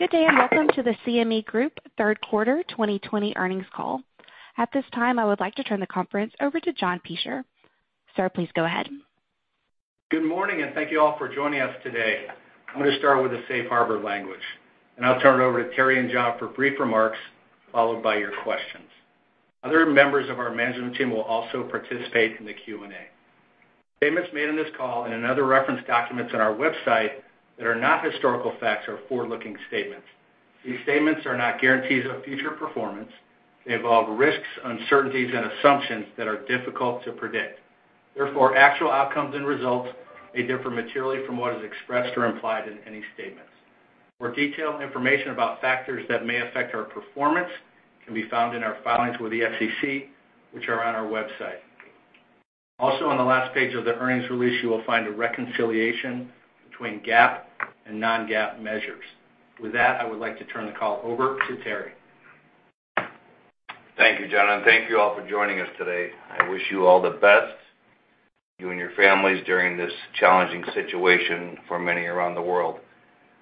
Good day, welcome to the CME Group third quarter 2020 earnings call. At this time, I would like to turn the conference over to John Peschier. Sir, please go ahead. Good morning. Thank you all for joining us today. I'm going to start with the safe harbor language. I'll turn it over to Terry and John for brief remarks, followed by your questions. Other members of our management team will also participate in the Q&A. Statements made on this call and in other reference documents on our website that are not historical facts are forward-looking statements. These statements are not guarantees of future performance. They involve risks, uncertainties, and assumptions that are difficult to predict. Therefore, actual outcomes and results may differ materially from what is expressed or implied in any statements. More detailed information about factors that may affect our performance can be found in our filings with the SEC, which are on our website. On the last page of the earnings release, you will find a reconciliation between GAAP and non-GAAP measures. With that, I would like to turn the call over to Terry. Thank you, John, and thank you all for joining us today. I wish you all the best, you and your families, during this challenging situation for many around the world.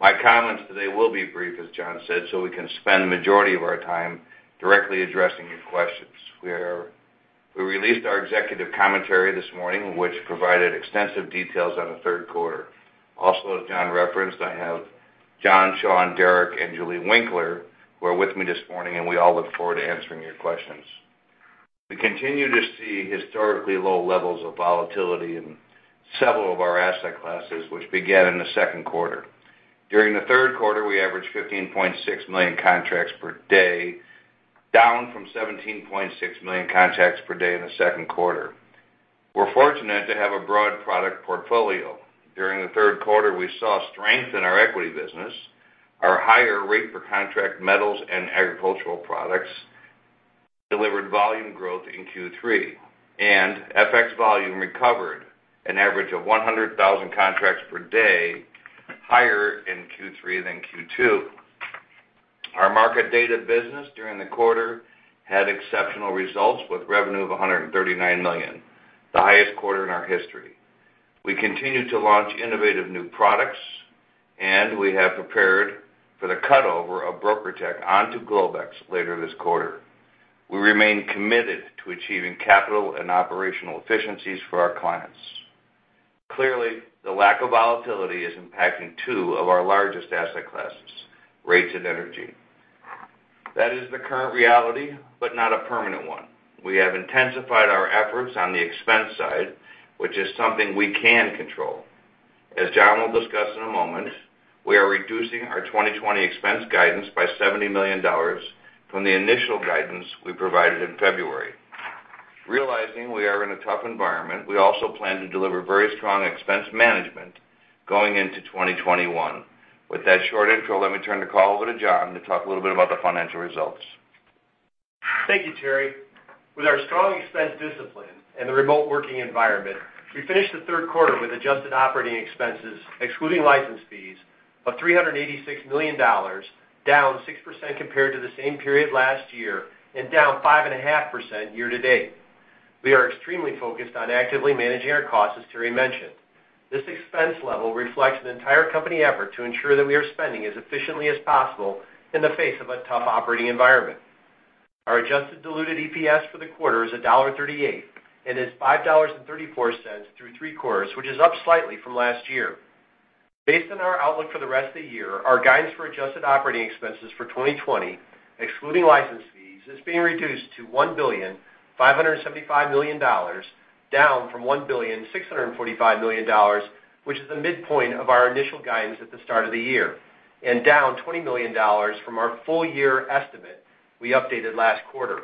My comments today will be brief, as John said, so we can spend the majority of our time directly addressing your questions. We released our executive commentary this morning, which provided extensive details on the third quarter. Also, as John referenced, I have John, Sean, Derek, and Julie Winkler, who are with me this morning, and we all look forward to answering your questions. We continue to see historically low levels of volatility in several of our asset classes, which began in the second quarter. During the third quarter, we averaged 15.6 million contracts per day, down from 17.6 million contracts per day in the second quarter. We're fortunate to have a broad product portfolio. During the third quarter, we saw strength in our equity business. Our higher rate per contract metals and agricultural products delivered volume growth in Q3, and FX volume recovered an average of 100,000 contracts per day, higher in Q3 than Q2. Our market data business during the quarter had exceptional results with revenue of $139 million, the highest quarter in our history. We continue to launch innovative new products, and we have prepared for the cut-over of BrokerTec onto Globex later this quarter. We remain committed to achieving capital and operational efficiencies for our clients. Clearly, the lack of volatility is impacting two of our largest asset classes, rates and energy. That is the current reality, but not a permanent one. We have intensified our efforts on the expense side, which is something we can control. As John will discuss in a moment, we are reducing our 2020 expense guidance by $70 million from the initial guidance we provided in February. Realizing we are in a tough environment, we also plan to deliver very strong expense management going into 2021. With that short intro, let me turn the call over to John to talk a little bit about the financial results. Thank you, Terry. With our strong expense discipline and the remote working environment, we finished the third quarter with adjusted operating expenses, excluding license fees, of $386 million, down 6% compared to the same period last year and down 5.5% year-to-date. We are extremely focused on actively managing our costs, as Terry mentioned. This expense level reflects an entire company effort to ensure that we are spending as efficiently as possible in the face of a tough operating environment. Our adjusted diluted EPS for the quarter is $1.38 and is $5.34 through three quarters, which is up slightly from last year. Based on our outlook for the rest of the year, our guidance for adjusted operating expenses for 2020, excluding license fees, is being reduced to $1 billion, $575 million, down from $1 billion, $645 million, which is the midpoint of our initial guidance at the start of the year and down $20 million from our full year estimate we updated last quarter.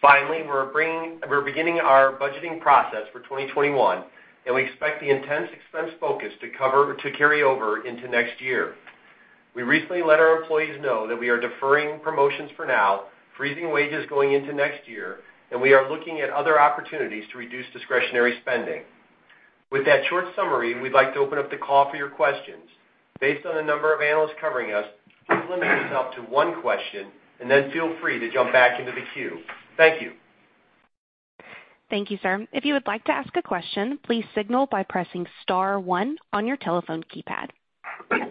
Finally, we're beginning our budgeting process for 2021, and we expect the intense expense focus to carry over into next year. We recently let our employees know that we are deferring promotions for now, freezing wages going into next year, and we are looking at other opportunities to reduce discretionary spending. With that short summary, we'd like to open up the call for your questions. Based on the number of analysts covering us, please limit yourself to one question, and then feel free to jump back into the queue. Thank you. Thank you, sir. If you would like to ask a question, please signal by pressing *1 on your telephone keypad.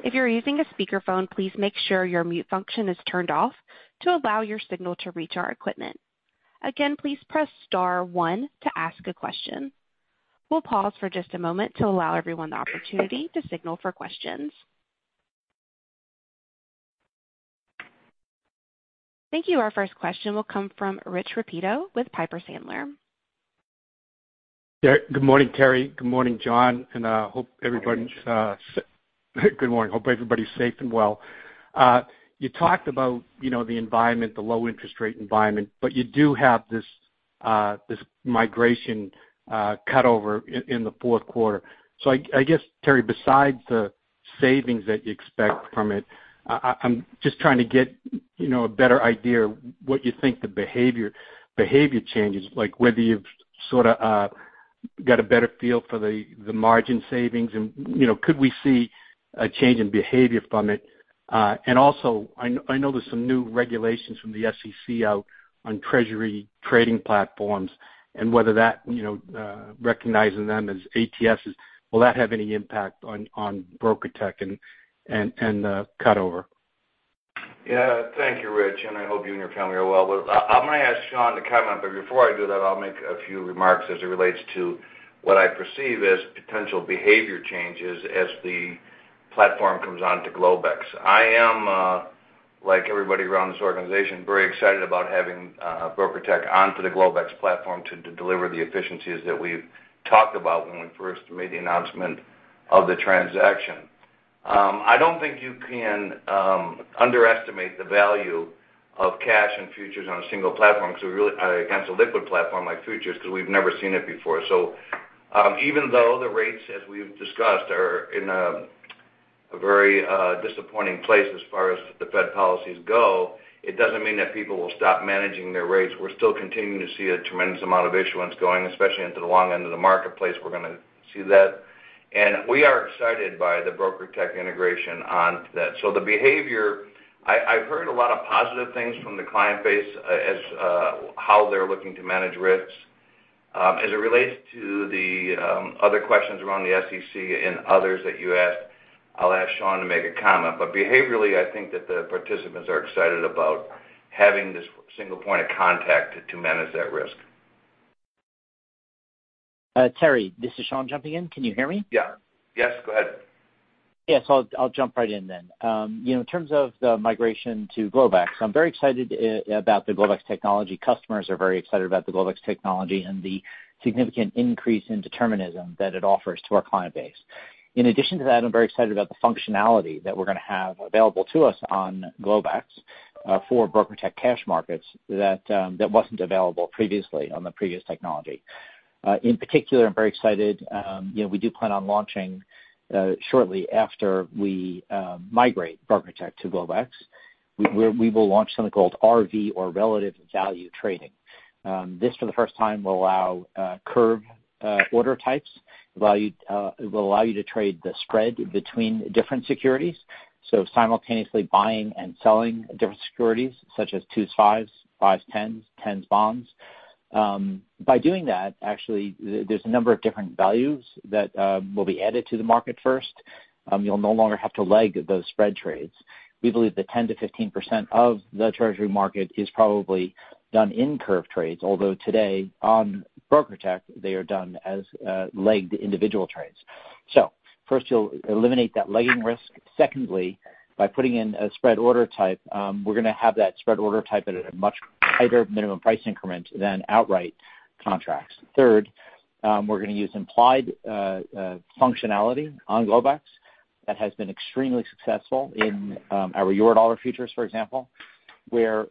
If you're using a speakerphone, please make sure your mute function is turned off to allow your signal to reach our equipment. Again, please press *1 to ask a question. We'll pause for just a moment to allow everyone the opportunity to signal for questions. Thank you. Our first question will come from Rich Repetto with Piper Sandler. Good morning, Terry. Good morning, John, good morning. Hope everybody's safe and well. You talked about the environment, the low interest rate environment, but you do have this migration cut-over in the fourth quarter. I guess, Terry, besides the savings that you expect from it, I'm just trying to get a better idea of what you think the behavior changes, like whether you've sort of got a better feel for the margin savings and could we see a change in behavior from it? Also, I know there's some new regulations from the SEC out on Treasury trading platforms, and whether that, recognizing them as ATSs, will that have any impact on BrokerTec and the cut-over? Yeah. Thank you, Rich, and I hope you and your family are well. I'm going to ask Sean to comment. Before I do that, I'll make a few remarks as it relates to what I perceive as potential behavior changes as the platform comes onto Globex. I am, like everybody around this organization, very excited about having BrokerTec onto the Globex platform to deliver the efficiencies that we've talked about when we first made the announcement of the transaction. I don't think you can underestimate the value of cash and futures on a single platform, against a liquid platform like futures, because we've never seen it before. Even though the rates, as we've discussed, are in a very disappointing place as far as the Fed policies go, it doesn't mean that people will stop managing their rates. We're still continuing to see a tremendous amount of issuance going, especially into the long end of the marketplace, we're going to see that. We are excited by the BrokerTec integration on that. The behavior, I've heard a lot of positive things from the client base as how they're looking to manage risks. As it relates to the other questions around the SEC and others that you asked, I'll ask Sean to make a comment. Behaviorally, I think that the participants are excited about having this single point of contact to manage that risk. Terry, this is Sean jumping in. Can you hear me? Yeah. Yes, go ahead. Yeah. I'll jump right in then. In terms of the migration to Globex, I'm very excited about the Globex technology. Customers are very excited about the Globex technology and the significant increase in determinism that it offers to our client base. In addition to that, I'm very excited about the functionality that we're going to have available to us on Globex for BrokerTec cash markets that wasn't available previously on the previous technology. In particular, I'm very excited. We do plan on launching shortly after we migrate BrokerTec to Globex. We will launch something called RV or Relative Value trading. This, for the first time, will allow curve order types. It will allow you to trade the spread between different securities, so simultaneously buying and selling different securities, such as twos, fives, tens bonds. By doing that, actually, there's a number of different values that will be added to the market first. You'll no longer have to leg those spread trades. We believe that 10%-15% of the Treasury market is probably done in curve trades, although today on BrokerTec, they are done as legged individual trades. First, you'll eliminate that legging risk. Secondly, by putting in a spread order type, we're going to have that spread order type at a much tighter minimum price increment than outright contracts. Third, we're going to use implied functionality on Globex that has been extremely successful in our Eurodollar futures, for example, where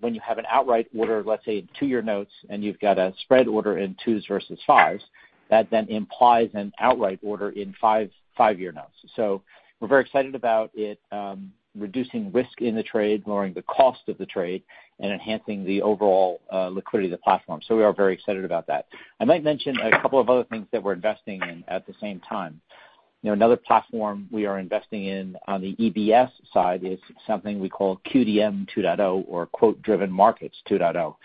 when you have an outright order, let's say, in two-year notes, and you've got a spread order in twos versus fives, that then implies an outright order in five-year notes. We're very excited about it reducing risk in the trade, lowering the cost of the trade, and enhancing the overall liquidity of the platform. We are very excited about that. I might mention a couple of other things that we're investing in at the same time. Another platform we are investing in on the EBS side is something we call QDM 2.0 or Quote-Driven Markets 2.0.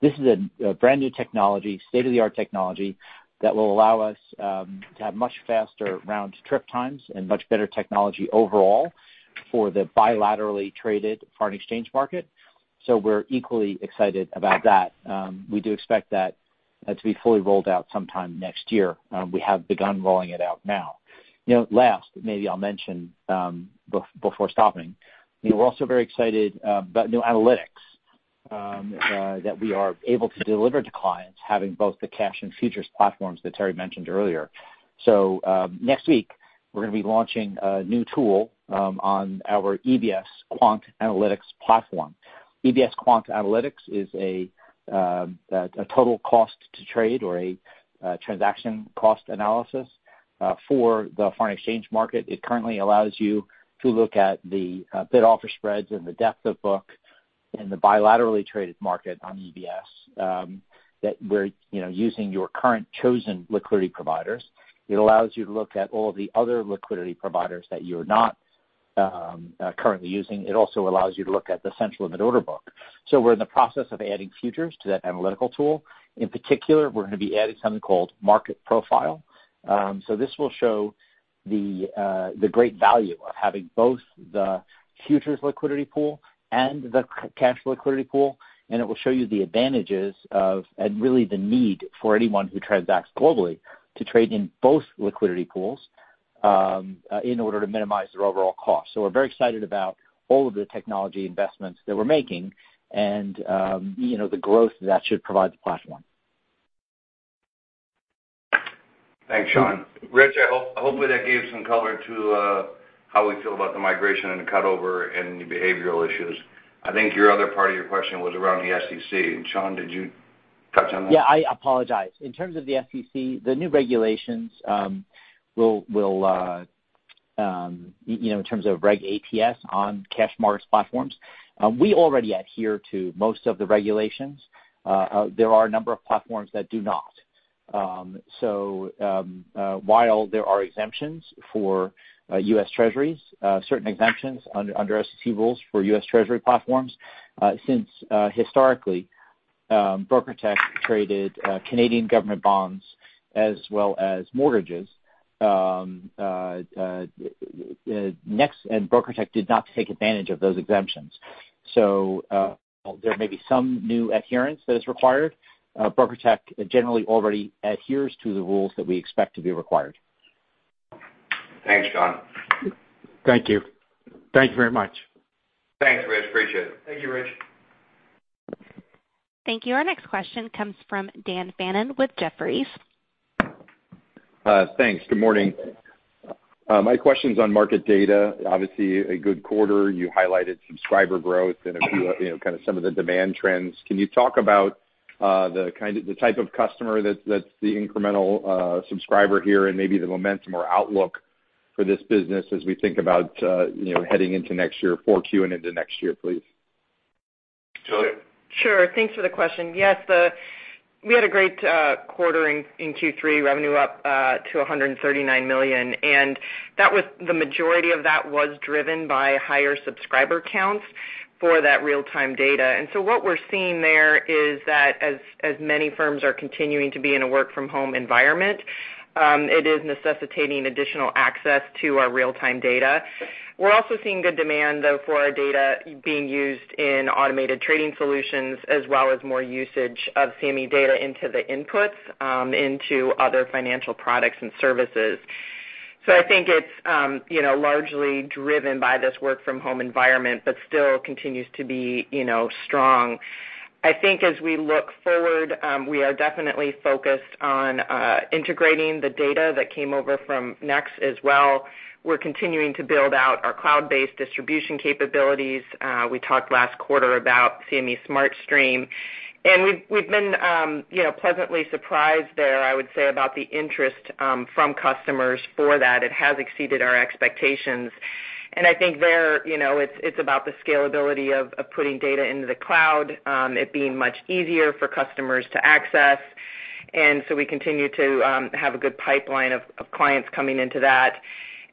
This is a brand-new technology, state-of-the-art technology that will allow us to have much faster round trip times and much better technology overall for the bilaterally traded foreign exchange market. We're equally excited about that. We do expect that to be fully rolled out sometime next year. We have begun rolling it out now. Last, maybe I'll mention before stopping, we're also very excited about new analytics that we are able to deliver to clients, having both the cash and futures platforms that Terry mentioned earlier. Next week, we're going to be launching a new tool on our EBS Quant Analytics platform. EBS Quant Analytics is a total cost to trade or a transaction cost analysis for the foreign exchange market. It currently allows you to look at the bid-offer spreads and the depth of book in the bilaterally traded market on EBS, that we're using your current chosen liquidity providers. It allows you to look at all of the other liquidity providers that you're not currently using. It also allows you to look at the central limit order book. We're in the process of adding futures to that analytical tool. In particular, we're going to be adding something called Market Profile. This will show the great value of having both the futures liquidity pool and the cash liquidity pool, and it will show you the advantages of, and really the need for anyone who transacts globally to trade in both liquidity pools in order to minimize their overall cost. We're very excited about all of the technology investments that we're making and the growth that should provide the platform. Thanks, Sean. Rich, hopefully that gave some color to how we feel about the migration and the cutover and the behavioral issues. I think your other part of your question was around the SEC, and Sean, did you touch on that? Yeah, I apologize. In terms of the SEC, the new regulations will, in terms of Regulation ATS on cash markets platforms, we already adhere to most of the regulations. There are a number of platforms that do not. While there are exemptions for U.S. Treasuries, certain exemptions under SEC rules for U.S. Treasury platforms, since historically BrokerTec traded Canadian government bonds as well as mortgages. NEX and BrokerTec did not take advantage of those exemptions. There may be some new adherence that is required. BrokerTec generally already adheres to the rules that we expect to be required. Thanks, Sean. Thank you. Thank you very much. Thanks, Rich. Appreciate it. Thank you, Rich. Thank you. Our next question comes from Dan Fannon with Jefferies. Thanks. Good morning. My question's on market data. Obviously, a good quarter. You highlighted subscriber growth and a few, kind of some of the demand trends. Can you talk about the type of customer that's the incremental subscriber here, and maybe the momentum or outlook for this business as we think about heading into next year, 4Q and into next year, please? Julie? Sure. Thanks for the question. We had a great quarter in Q3, revenue up to $139 million, the majority of that was driven by higher subscriber counts for that real-time data. What we're seeing there is that as many firms are continuing to be in a work from home environment, it is necessitating additional access to our real-time data. We're also seeing good demand, though, for our data being used in automated trading solutions, as well as more usage of CME data into the inputs into other financial products and services. I think it's largely driven by this work from home environment, but still continues to be strong. I think as we look forward, we are definitely focused on integrating the data that came over from NEX as well. We're continuing to build out our cloud-based distribution capabilities. We talked last quarter about CME Smart Stream, and we've been pleasantly surprised there, I would say, about the interest from customers for that. It has exceeded our expectations. I think there, it's about the scalability of putting data into the cloud, it being much easier for customers to access. We continue to have a good pipeline of clients coming into that.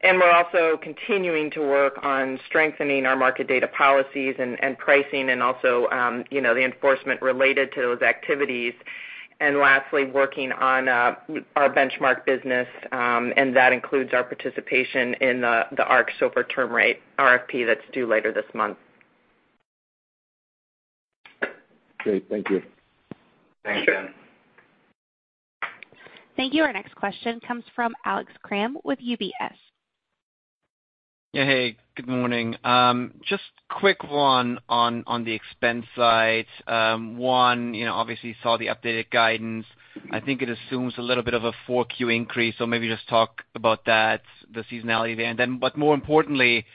We're also continuing to work on strengthening our market data policies and pricing and also the enforcement related to those activities. Lastly, working on our benchmark business, and that includes our participation in the ARRC SOFR term rate RFP that's due later this month. Great. Thank you. Thanks, Dan. Thank you. Our next question comes from Alex Kramm with UBS. Yeah, hey, good morning. Just quick one on the expense side. One, obviously saw the updated guidance. I think it assumes a little bit of a 4Q increase. Maybe just talk about that, the seasonality there. More importantly,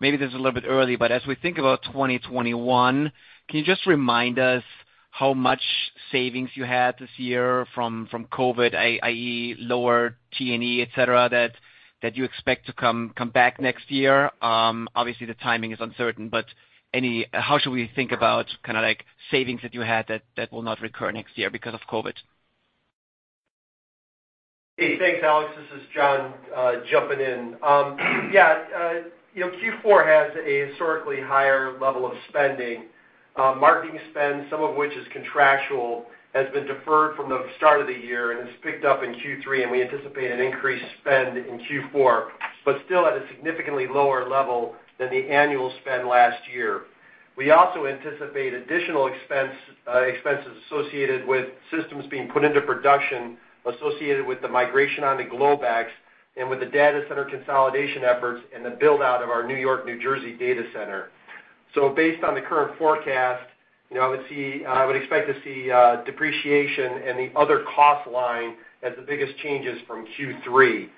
maybe this is a little bit early, but as we think about 2021, can you just remind us how much savings you had this year from COVID, i.e. lower T&E, et cetera, that you expect to come back next year? Obviously, the timing is uncertain. How should we think about kind of like savings that you had that will not recur next year because of COVID? Hey, thanks, Alex. This is John jumping in. Yeah, Q4 has a historically higher level of spending. Marketing spend, some of which is contractual, has been deferred from the start of the year and has picked up in Q3. We anticipate an increased spend in Q4, but still at a significantly lower level than the annual spend last year. We also anticipate additional expenses associated with systems being put into production associated with the migration onto Globex and with the data center consolidation efforts and the build-out of our New York-New Jersey data center. Based on the current forecast, I would expect to see depreciation and the other cost line as the biggest changes from Q3.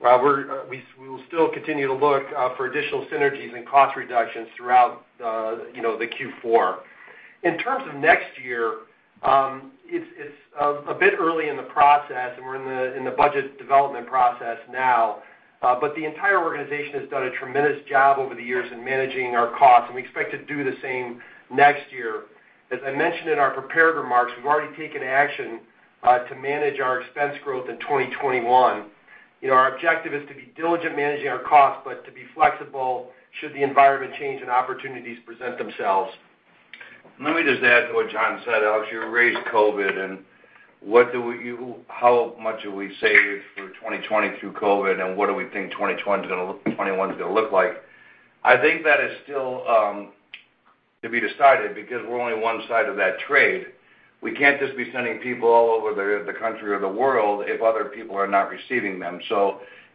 We will still continue to look for additional synergies and cost reductions throughout the Q4. In terms of next year, it's a bit early in the process, and we're in the budget development process now. The entire organization has done a tremendous job over the years in managing our costs, and we expect to do the same next year. As I mentioned in our prepared remarks, we've already taken action to manage our expense growth in 2021. Our objective is to be diligent managing our costs, but to be flexible should the environment change and opportunities present themselves. Let me just add to what John said, Alex. You raised COVID and how much have we saved through 2020 through COVID, and what do we think 2021's gonna look like? I think that is still to be decided because we're only one side of that trade. We can't just be sending people all over the country or the world if other people are not receiving them.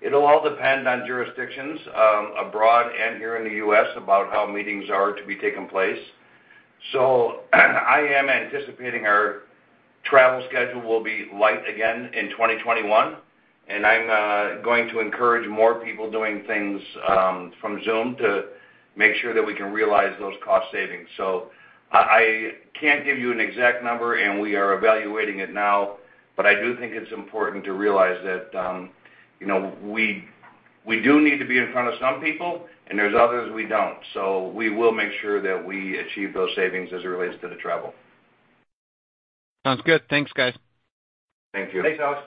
It'll all depend on jurisdictions abroad and here in the U.S. about how meetings are to be taking place. I am anticipating our travel schedule will be light again in 2021, and I'm going to encourage more people doing things from Zoom to make sure that we can realize those cost savings. I can't give you an exact number, and we are evaluating it now, but I do think it's important to realize that we do need to be in front of some people and there's others we don't. We will make sure that we achieve those savings as it relates to the travel. Sounds good. Thanks, guys. Thank you. Thanks, Alex.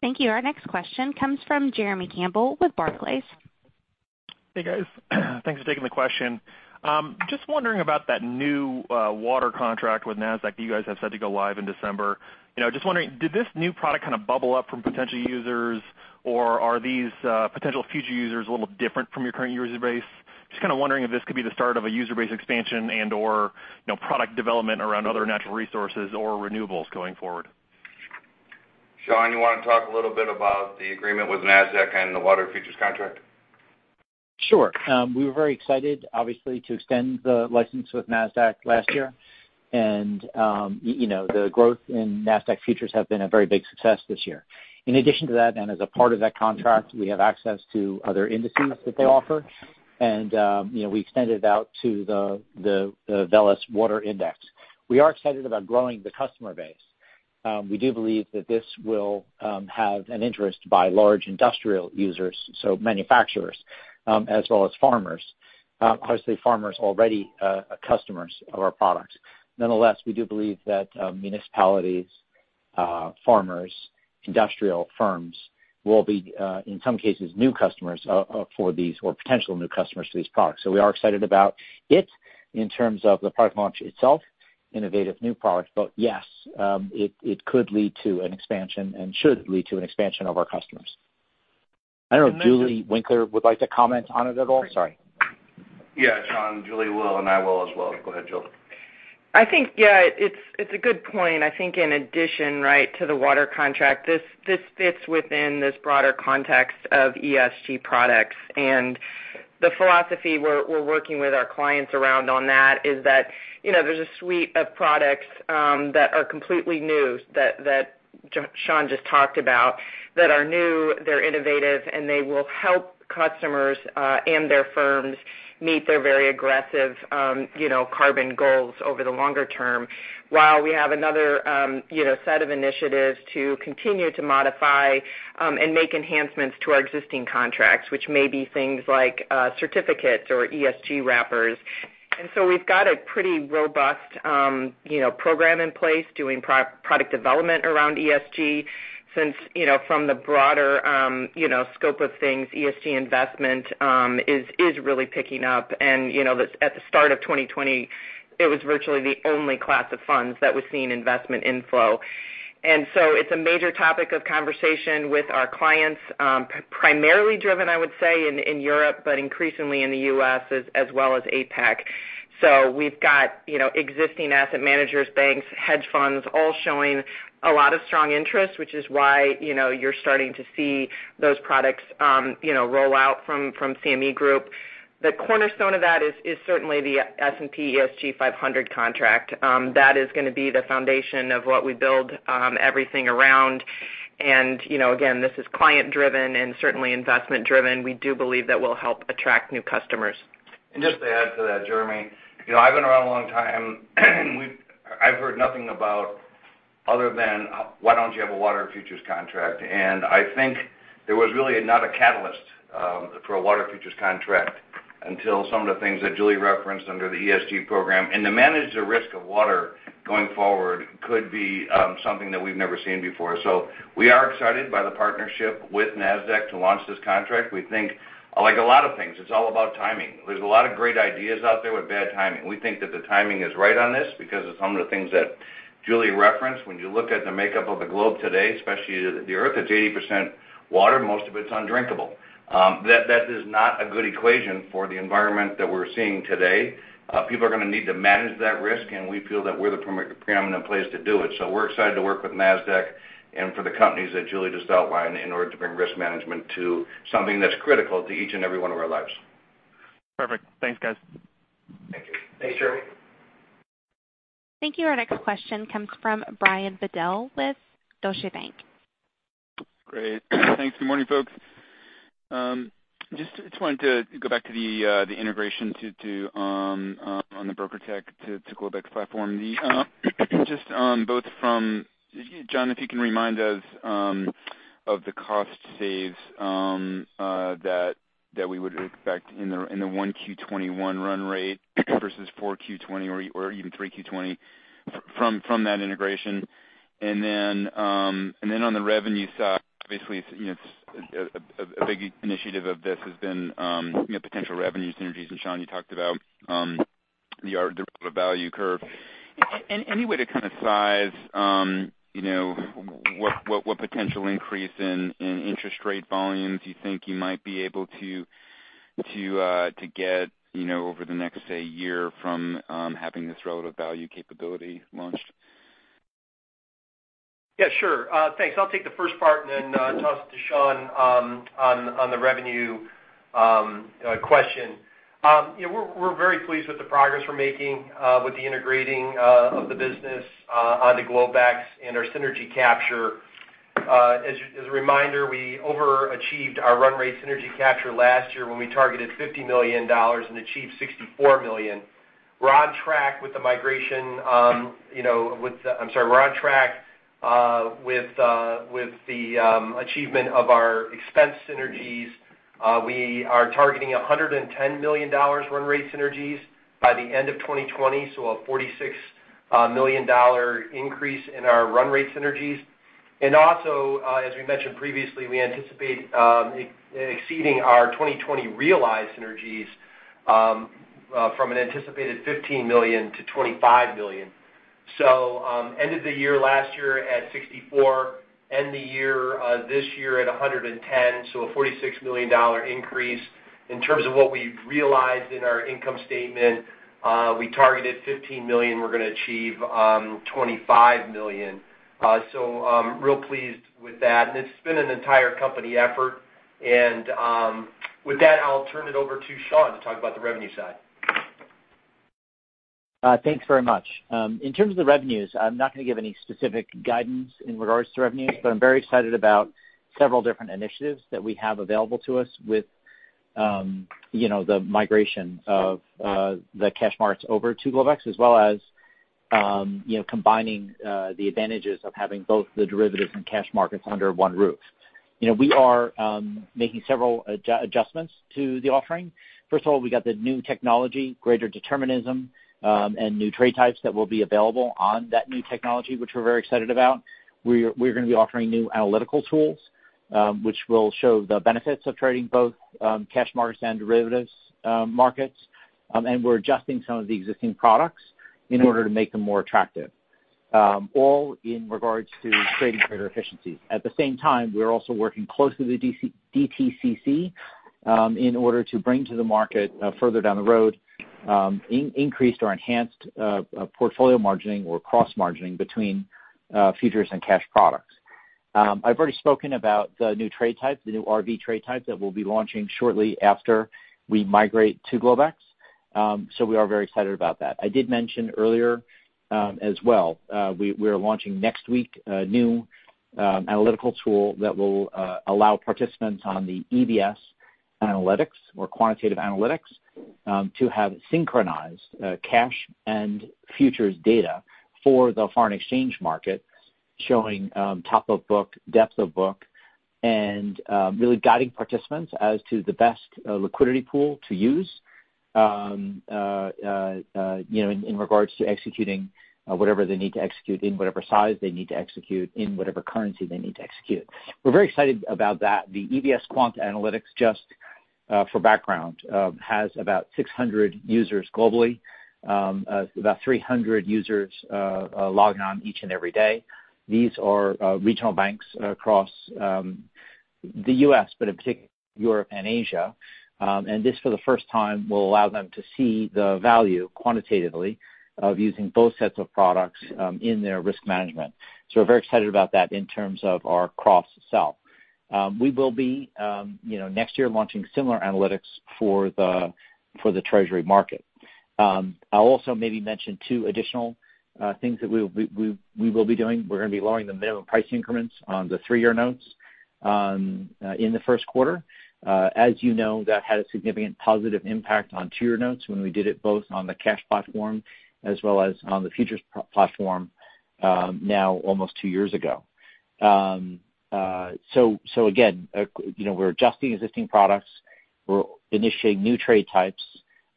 Thank you. Our next question comes from Jeremy Campbell with Barclays. Hey, guys. Thanks for taking the question. Just wondering about that new water contract with Nasdaq that you guys have said to go live in December. Just wondering, did this new product kind of bubble up from potential users or are these potential future users a little different from your current user base? Just kind of wondering if this could be the start of a user base expansion and/or product development around other natural resources or renewables going forward. Sean, you want to talk a little bit about the agreement with Nasdaq and the water futures contract? Sure. We were very excited, obviously, to extend the license with Nasdaq last year. The growth in Nasdaq futures have been a very big success this year. In addition to that, and as a part of that contract, we have access to other indices that they offer and we extended it out to the Veles Water Index. We are excited about growing the customer base. We do believe that this will have an interest by large industrial users, so manufacturers, as well as farmers. Obviously, farmers already are customers of our products. Nonetheless, we do believe that municipalities, farmers, industrial firms will be, in some cases, new customers for these, or potential new customers for these products. We are excited about it in terms of the product launch itself, innovative new product. Yes, it could lead to an expansion and should lead to an expansion of our customers. I don't know if Julie Winkler would like to comment on it at all. Sorry. Yeah, Sean, Julie will, and I will as well. Go ahead, Julie. I think, yeah, it's a good point. I think in addition to the water contract, this fits within this broader context of ESG products. The philosophy we're working with our clients around on that is that there's a suite of products that are completely new that Sean just talked about, that are new, they're innovative, and they will help customers and their firms meet their very aggressive carbon goals over the longer term, while we have another set of initiatives to continue to modify and make enhancements to our existing contracts, which may be things like certificates or ESG wrappers. We've got a pretty robust program in place doing product development around ESG since, from the broader scope of things, ESG investment is really picking up. At the start of 2020, it was virtually the only class of funds that was seeing investment inflow. It's a major topic of conversation with our clients, primarily driven, I would say, in Europe, but increasingly in the U.S. as well as APAC. We've got existing asset managers, banks, hedge funds, all showing a lot of strong interest, which is why you're starting to see those products roll out from CME Group. The cornerstone of that is certainly the S&P 500 ESG contract. That is going to be the foundation of what we build everything around. Again, this is client-driven and certainly investment-driven. We do believe that will help attract new customers. Just to add to that, Jeremy, I've been around a long time. I've heard nothing about other than, "Why don't you have a water futures contract?" I think there was really not a catalyst for a water futures contract until some of the things that Julie referenced under the ESG program. To manage the risk of water going forward could be something that we've never seen before. We are excited by the partnership with Nasdaq to launch this contract. We think, like a lot of things, it's all about timing. There's a lot of great ideas out there with bad timing. We think that the timing is right on this because of some of the things that Julie referenced. When you look at the makeup of the globe today, especially the Earth, it's 80% water, most of it's undrinkable. That is not a good equation for the environment that we're seeing today. People are going to need to manage that risk, and we feel that we're the preeminent place to do it. We're excited to work with Nasdaq and for the companies that Julie just outlined in order to bring risk management to something that's critical to each and every one of our lives. Perfect. Thanks, guys. Thank you. Thanks, Jeremy. Thank you. Our next question comes from Brian Bedell with Deutsche Bank. Great. Thanks. Good morning, folks. Just wanted to go back to the integration on the BrokerTec to Globex platform. John, if you can remind us of the cost saves that we would expect in the 1Q21 run rate versus 4Q20 or even 3Q20 from that integration. On the revenue side, basically, a big initiative of this has been potential revenue synergies. Sean, you talked about the relative value curve. Any way to kind of size what potential increase in interest rate volumes you think you might be able to get over the next, say, year from having this relative value capability launched? Yeah, sure. Thanks. I'll take the first part and then toss it to Sean on the revenue question. We're very pleased with the progress we're making with the integrating of the business on the Globex and our synergy capture. As a reminder, we overachieved our run rate synergy capture last year when we targeted $50 million and achieved $64 million. I'm sorry, we're on track with the achievement of our expense synergies. We are targeting $110 million run rate synergies by the end of 2020, so a $46 million increase in our run rate synergies. Also, as we mentioned previously, we anticipate exceeding our 2020 realized synergies from an anticipated $15 million to $25 million. Ended the year last year at $64 million, end the year this year at $110 million, so a $46 million increase. In terms of what we've realized in our income statement, we targeted $15 million, we're going to achieve $25 million. Real pleased with that, and it's been an entire company effort. With that, I'll turn it over to Sean to talk about the revenue side. Thanks very much. In terms of the revenues, I'm not going to give any specific guidance in regards to revenues, but I'm very excited about several different initiatives that we have available to us with the migration of the cash markets over to Globex, as well as combining the advantages of having both the derivatives and cash markets under one roof. We are making several adjustments to the offering. First of all, we got the new technology, greater determinism, and new trade types that will be available on that new technology, which we're very excited about. We're going to be offering new analytical tools, which will show the benefits of trading both cash markets and derivatives markets. We're adjusting some of the existing products in order to make them more attractive, all in regards to trading greater efficiency. At the same time, we're also working closely with DTCC in order to bring to the market further down the road, increased or enhanced portfolio margining or cross margining between futures and cash products. I've already spoken about the new trade types, the new RV trade types that we'll be launching shortly after we migrate to Globex. We are very excited about that. I did mention earlier as well, we are launching next week a new analytical tool that will allow participants on the EBS analytics or quantitative analytics to have synchronized cash and futures data for the foreign exchange market, showing top of book, depth of book, and really guiding participants as to the best liquidity pool to use in regards to executing whatever they need to execute, in whatever size they need to execute, in whatever currency they need to execute. We're very excited about that. The EBS Quant Analytics, just for background, has about 600 users globally, about 300 users log on each and every day. These are regional banks across the U.S., in particular Europe and Asia. This, for the first time, will allow them to see the value quantitatively of using both sets of products in their risk management. We're very excited about that in terms of our cross-sell. We will be next year launching similar analytics for the Treasury market. I'll also maybe mention two additional things that we will be doing. We're going to be lowering the minimum price increments on the three-year notes in the first quarter. As you know, that had a significant positive impact on two-year notes when we did it both on the cash platform as well as on the futures platform now almost two years ago. Again, we're adjusting existing products, we're initiating new trade types,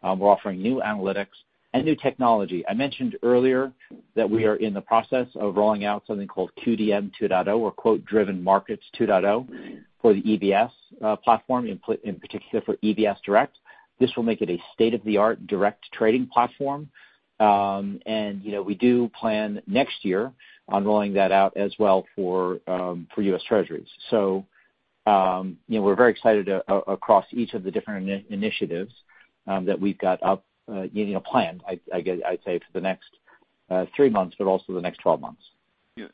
we're offering new analytics and new technology. I mentioned earlier that we are in the process of rolling out something called QDM 2.0 or Quote-Driven Markets 2.0 for the EBS platform, in particular for EBS Direct. This will make it a state-of-the-art direct trading platform. We do plan next year on rolling that out as well for U.S. Treasuries. We're very excited across each of the different initiatives that we've got up planned, I'd say, for the next three months, but also the next 12 months. Yeah.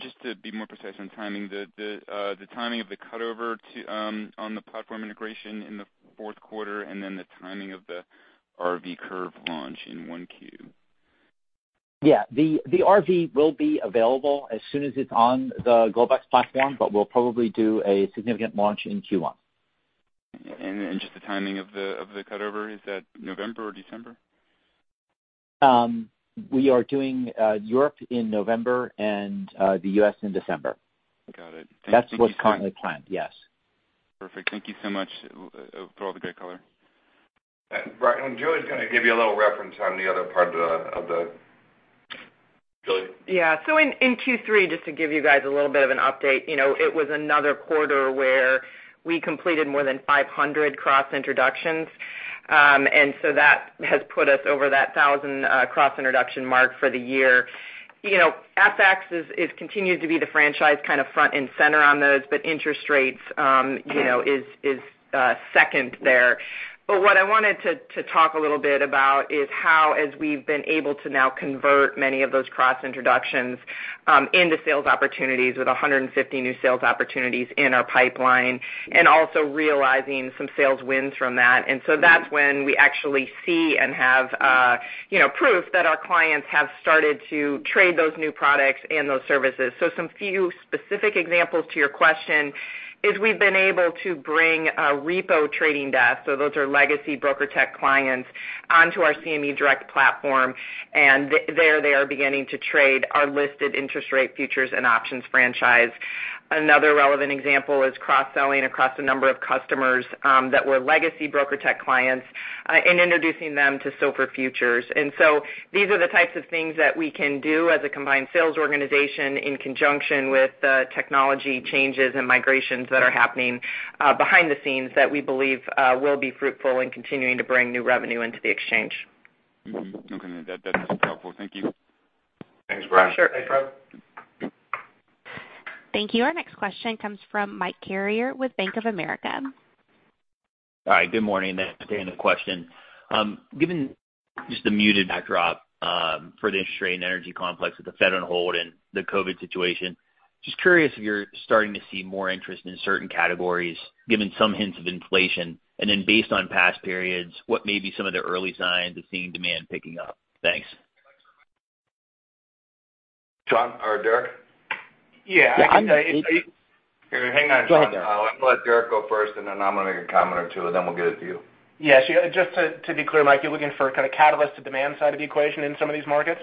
Just to be more precise on timing, the timing of the cutover on the platform integration in the fourth quarter and then the timing of the RV curve launch in 1Q. Yeah. The RV will be available as soon as it's on the Globex platform, but we'll probably do a significant launch in Q1. Just the timing of the cutover, is that November or December? We are doing Europe in November and the U.S. in December. Got it. That's what's currently planned. Yes. Perfect. Thank you so much for all the great color. Julie's going to give you a little reference on the other part of Julie? Yeah. In Q3, just to give you guys a little bit of an update, it was another quarter where we completed more than 500 cross introductions. That has put us over that 1,000 cross introduction mark for the year. FX continues to be the franchise kind of front and center on those. Interest rates is second there. What I wanted to talk a little bit about is how, as we've been able to now convert many of those cross introductions into sales opportunities with 150 new sales opportunities in our pipeline and also realizing some sales wins from that. That's when we actually see and have proof that our clients have started to trade those new products and those services. Some few specific examples to your question is we've been able to bring a repo trading desk, so those are legacy BrokerTec clients, onto our CME Direct platform, and there they are beginning to trade our listed interest rate futures and options franchise. Another relevant example is cross-selling across a number of customers that were legacy BrokerTec clients and introducing them to SOFR futures. These are the types of things that we can do as a combined sales organization in conjunction with the technology changes and migrations that are happening behind the scenes that we believe will be fruitful in continuing to bring new revenue into the exchange. Okay. That is helpful. Thank you. Thanks, Brian. Sure. Thanks, Brian. Thank you. Our next question comes from Mike Carrier with Bank of America. All right, good morning. Thanks for taking the question. Given just the muted backdrop for the interest rate and energy complex with the Fed on hold and the COVID situation, just curious if you're starting to see more interest in certain categories, given some hints of inflation, and then based on past periods, what may be some of the early signs of seeing demand picking up? Thanks. Sean or Derek? Yeah, I can say- Yeah. Here, hang on, Sean. Go ahead, Derek. I'm going to let Derek go first, and then I'm going to make a comment or two, and then we'll get it to you. Yes. Just to be clear, Mike, you're looking for kind of catalyst to demand side of the equation in some of these markets?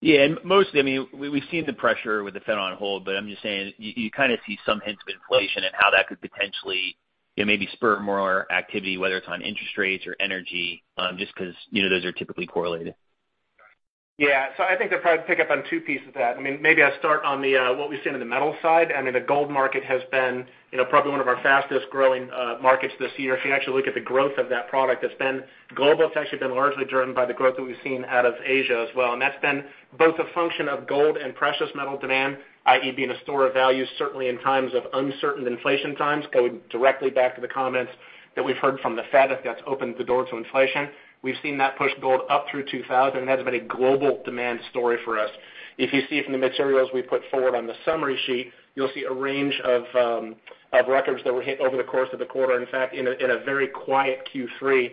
Yeah, mostly. We've seen the pressure with the Fed on hold, but I'm just saying, you kind of see some hints of inflation and how that could potentially maybe spur more activity, whether it's on interest rates or energy, just because those are typically correlated. I think to probably pick up on two pieces of that. Maybe I'll start on what we've seen on the metals side. The gold market has been probably one of our fastest-growing markets this year. If you actually look at the growth of that product, it's been global. It's actually been largely driven by the growth that we've seen out of Asia as well, and that's been both a function of gold and precious metal demand, i.e., being a store of value, certainly in times of uncertain inflation times, going directly back to the comments that we've heard from the Fed if that's opened the door to inflation. We've seen that push gold up through 2,000, and that's been a global demand story for us. If you see from the materials we put forward on the summary sheet, you'll see a range of records that were hit over the course of the quarter. In fact, in a very quiet Q3,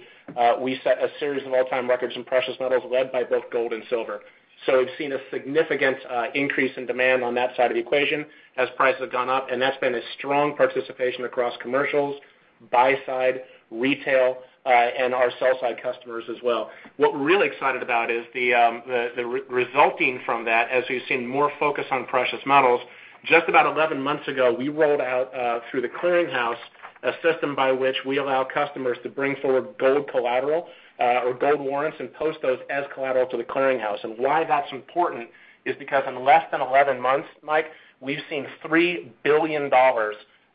we set a series of all-time records in precious metals led by both gold and silver. We've seen a significant increase in demand on that side of the equation as prices have gone up, and that's been a strong participation across commercials, buy side, retail, and our sell side customers as well. What we're really excited about is the resulting from that, as we've seen more focus on precious metals. Just about 11 months ago, we rolled out, through the clearinghouse, a system by which we allow customers to bring forward gold collateral or gold warrants and post those as collateral to the clearinghouse. Why that's important is because in less than 11 months, Mike, we've seen $3 billion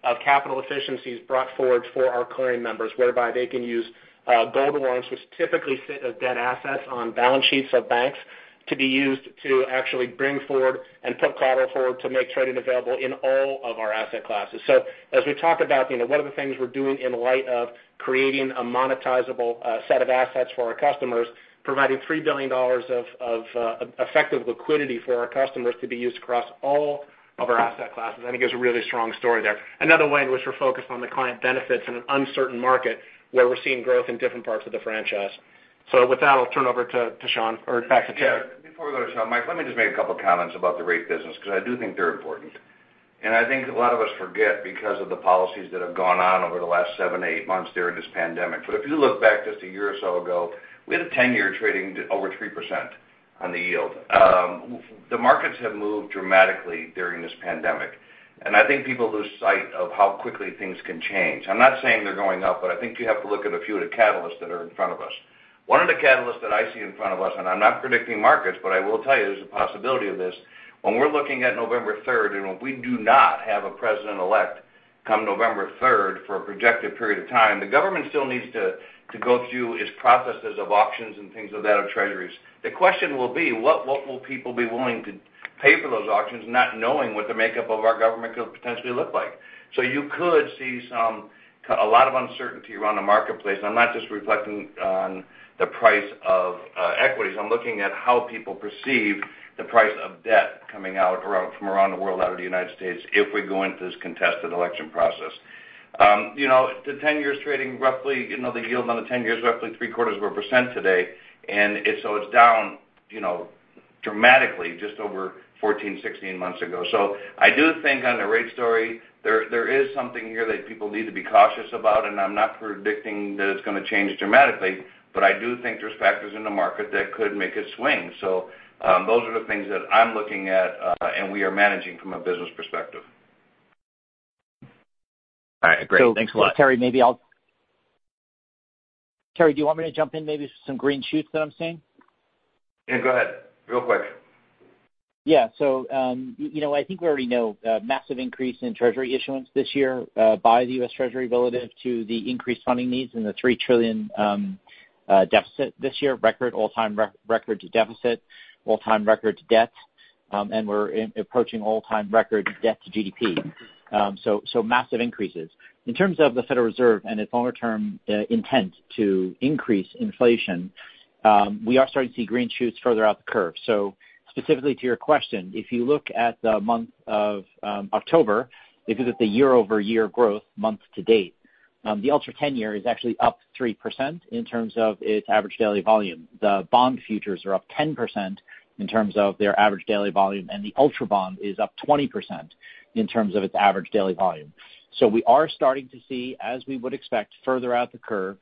of capital efficiencies brought forward for our clearing members, whereby they can use gold warrants, which typically sit as debt assets on balance sheets of banks to be used to actually bring forward and put collateral forward to make trading available in all of our asset classes. As we talk about one of the things we're doing in light of creating a monetizable set of assets for our customers, providing $3 billion of effective liquidity for our customers to be used across all of our asset classes, I think there's a really strong story there. Another way in which we're focused on the client benefits in an uncertain market where we're seeing growth in different parts of the franchise. With that, I'll turn over to Sean or back to Terry. Yeah. Before we go to Sean, Mike, let me just make a couple comments about the rate business because I do think they're important. I think a lot of us forget because of the policies that have gone on over the last seven, eight months during this pandemic. If you look back just a year or so ago, we had a 10-year trading over 3% on the yield. The markets have moved dramatically during this pandemic, and I think people lose sight of how quickly things can change. I'm not saying they're going up, but I think you have to look at a few of the catalysts that are in front of us. One of the catalysts that I see in front of us, I'm not predicting markets, but I will tell you there's a possibility of this, when we're looking at November 3rd, if we do not have a President-elect come November 3rd for a projected period of time, the government still needs to go through its processes of auctions and things of that of Treasuries. The question will be, what will people be willing to pay for those auctions, not knowing what the makeup of our government could potentially look like? You could see a lot of uncertainty around the marketplace. I'm not just reflecting on the price of equities. I'm looking at how people perceive the price of debt coming out from around the world out of the U.S. if we go into this contested election process. The 10-year trading roughly, the yield on the 10-year is roughly three quarters of a percent today, it's down dramatically just over 14-16 months ago. I do think on the rate story, there is something here that people need to be cautious about, and I'm not predicting that it's going to change dramatically, but I do think there's factors in the market that could make it swing. Those are the things that I'm looking at and we are managing from a business perspective. All right, great. Thanks a lot. Terry, maybe Terry, do you want me to jump in maybe with some green shoots that I'm seeing? Yeah, go ahead. Real quick. Yeah. I think we already know massive increase in Treasury issuance this year by the U.S. Treasury relative to the increased funding needs and the $3 trillion deficit this year, all-time record deficit, all-time record debt, and we're approaching all-time record debt to GDP. Massive increases. In terms of the Federal Reserve and its longer-term intent to increase inflation, we are starting to see green shoots further out the curve. Specifically to your question, if you look at the month of October, if you look at the year-over-year growth month to date, the Ultra 10Y is actually up 3% in terms of its average daily volume. The bond futures are up 10% in terms of their average daily volume, and the Ultra Bond is up 20% in terms of its average daily volume. We are starting to see, as we would expect further out the curve,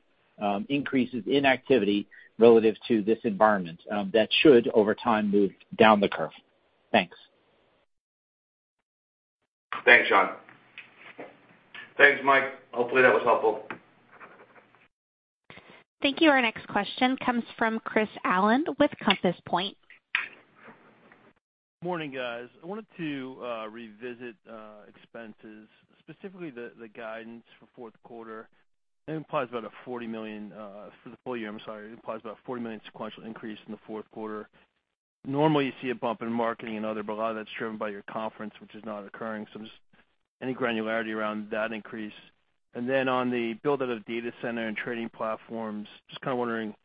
increases in activity relative to this environment that should, over time, move down the curve. Thanks. Thanks, Sean. Thanks, Mike. Hopefully that was helpful. Thank you. Our next question comes from Chris Allen with Compass Point. Morning, guys. I wanted to revisit expenses, specifically the guidance for fourth quarter. It implies about a $40 million for the full year, I'm sorry, it implies about a $40 million sequential increase in the fourth quarter. Normally, you see a bump in marketing and other, but a lot of that's driven by your conference, which is not occurring. Just any granularity around that increase. On the build-out of data center and trading platforms, just kind of wondering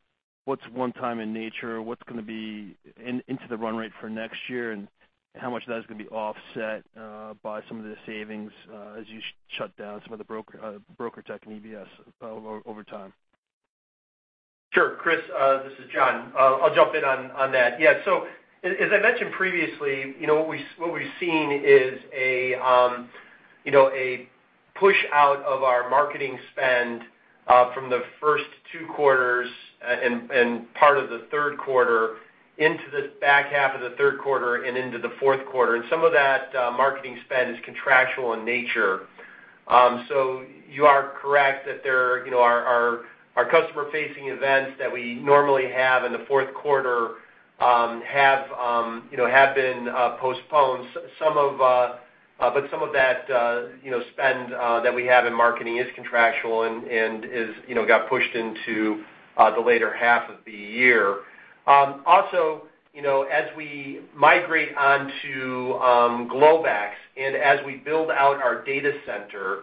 what's one-time in nature, what's going to be into the run rate for next year and how much that is going to be offset, by some of the savings, as you shut down some of the BrokerTec and EBS over time. Sure. Chris, this is John. I'll jump in on that. Yeah. As I mentioned previously, what we've seen is a push-out of our marketing spend from the first two quarters and part of the third quarter into the back half of the third quarter and into the fourth quarter, and some of that marketing spend is contractual in nature. You are correct that our customer-facing events that we normally have in the fourth quarter have been postponed. Some of that spend that we have in marketing is contractual and got pushed into the later half of the year. Also, as we migrate onto Globex and as we build out our data center,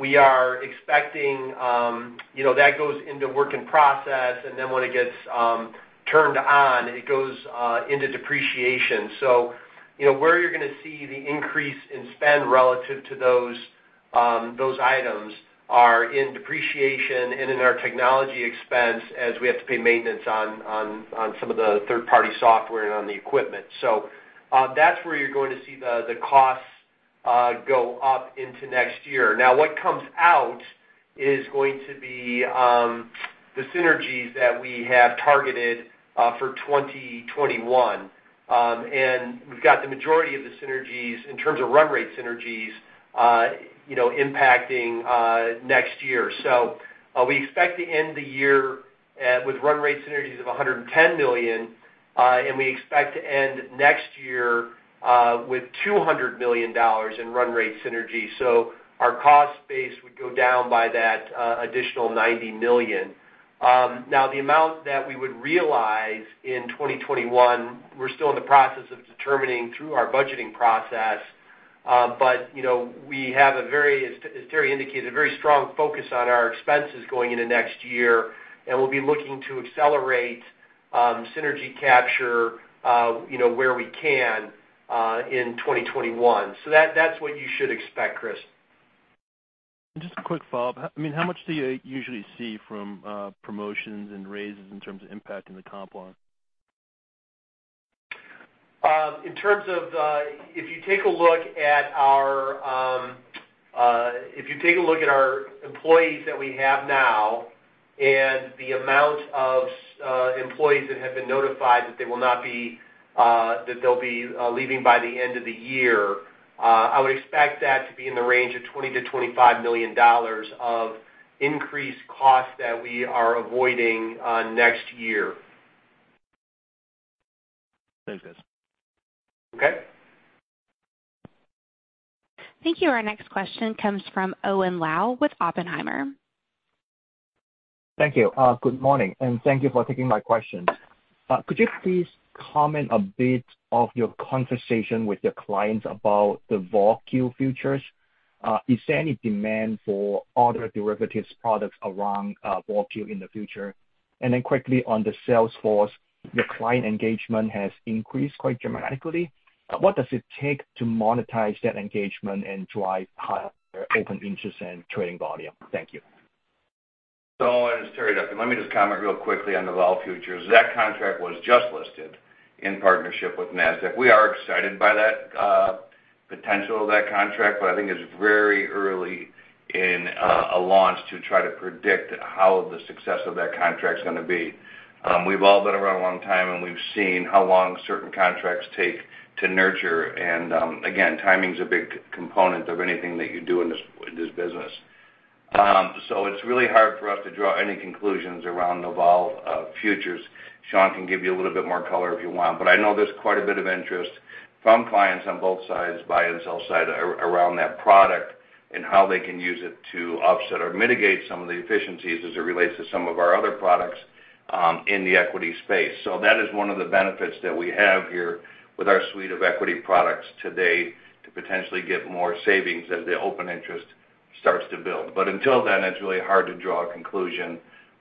we are expecting that goes into work in process, and then when it gets turned on, it goes into depreciation. Where you're going to see the increase in spend relative to those items are in depreciation and in our technology expense as we have to pay maintenance on some of the third-party software and on the equipment. That's where you're going to see the costs go up into next year. What comes out is going to be the synergies that we have targeted for 2021. We've got the majority of the synergies in terms of run rate synergies impacting next year. We expect to end the year with run rate synergies of $110 million, and we expect to end next year with $200 million in run rate synergies. Our cost base would go down by that additional $90 million. The amount that we would realize in 2021, we're still in the process of determining through our budgeting process. We have, as Terry indicated, a very strong focus on our expenses going into next year, and we'll be looking to accelerate synergy capture where we can in 2021. That's what you should expect, Chris. Just a quick follow-up. How much do you usually see from promotions and raises in terms of impacting the comp line? If you take a look at our employees that we have now and the amount of employees that have been notified that they'll be leaving by the end of the year, I would expect that to be in the range of $20 million-$25 million of increased costs that we are avoiding next year. Thanks, guys. Okay. Thank you. Our next question comes from Owen Lau with Oppenheimer. Thank you. Good morning, and thank you for taking my question. Could you please comment a bit of your conversation with your clients about the VOLQ futures? Is there any demand for other derivatives products around VOLQ in the future? Quickly on the sales force, your client engagement has increased quite dramatically. What does it take to monetize that engagement and drive higher open interest and trading volume? Thank you. It's Terry Duffy. Let me just comment real quickly on the vol futures. That contract was just listed in partnership with Nasdaq. We are excited by that potential of that contract, I think it's very early in a launch to try to predict how the success of that contract's going to be. We've all been around a long time, we've seen how long certain contracts take to nurture, again, timing's a big component of anything that you do in this business. It's really hard for us to draw any conclusions around the vol futures. Sean can give you a little bit more color if you want. I know there's quite a bit of interest from clients on both sides, buy and sell side, around that product and how they can use it to offset or mitigate some of the efficiencies as it relates to some of our other products in the equity space. That is one of the benefits that we have here with our suite of equity products today to potentially get more savings as the open interest starts to build. Until then, it's really hard to draw a conclusion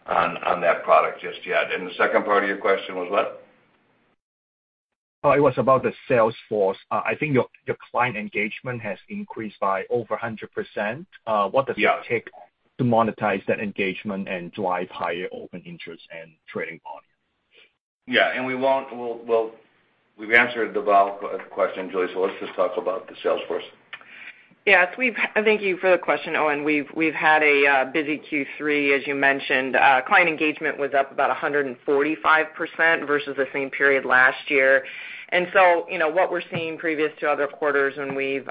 on that product just yet. The second part of your question was what? It was about the sales force. I think your client engagement has increased by over 100%. Yeah. What does it take to monetize that engagement and drive higher open interest and trading volume? Yeah, and we've answered the Vol question, Julie, so let's just talk about the sales force. Yes, thank you for the question, Owen. We've had a busy Q3, as you mentioned. Client engagement was up about 145% versus the same period last year. What we're seeing previous to other quarters when we've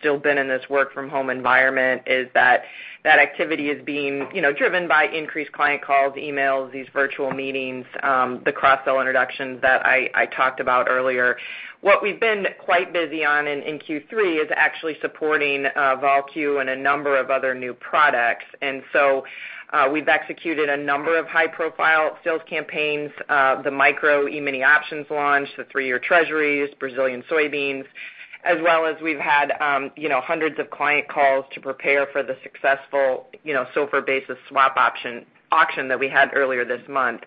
still been in this work-from-home environment is that activity is being driven by increased client calls, emails, these virtual meetings, the cross-sell introductions that I talked about earlier. What we've been quite busy on in Q3 is actually supporting VOLQ and a number of other new products. We've executed a number of high-profile sales campaigns, the Micro E-mini options launch, the three-year Treasuries, Brazilian soybeans, as well as we've had hundreds of client calls to prepare for the successful SOFR basis swap auction that we had earlier this month.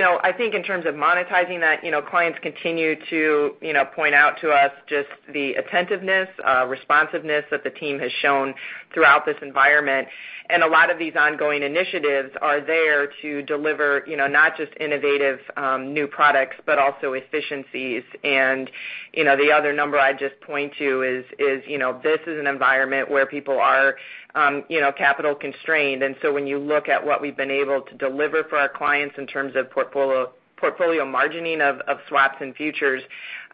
I think in terms of monetizing that, clients continue to point out to us just the attentiveness, responsiveness that the team has shown throughout this environment. A lot of these ongoing initiatives are there to deliver, not just innovative new products, but also efficiencies. The other number I'd just point to is, this is an environment where people are capital constrained. When you look at what we've been able to deliver for our clients in terms of portfolio margining of swaps and futures,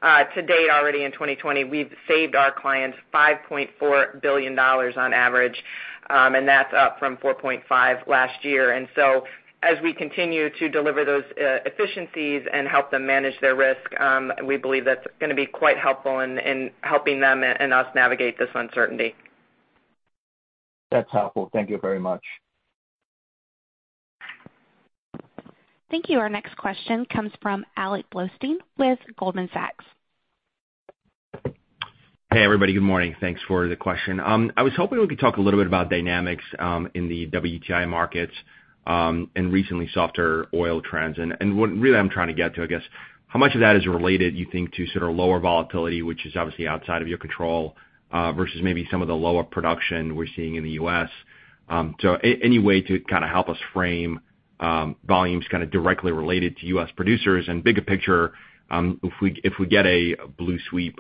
to date already in 2020, we've saved our clients $5.4 billion on average. That's up from $4.5 billion last year. As we continue to deliver those efficiencies and help them manage their risk, we believe that's going to be quite helpful in helping them and us navigate this uncertainty. That's helpful. Thank you very much. Thank you. Our next question comes from Alex Blostein with Goldman Sachs. Hey, everybody. Good morning. Thanks for the question. I was hoping we could talk a little bit about dynamics in the WTI markets, and recently softer oil trends. What really I'm trying to get to, I guess, how much of that is related, you think, to sort of lower volatility, which is obviously outside of your control, versus maybe some of the lower production we're seeing in the U.S.? Any way to kind of help us frame volumes kind of directly related to U.S. producers and bigger picture, if we get a blue sweep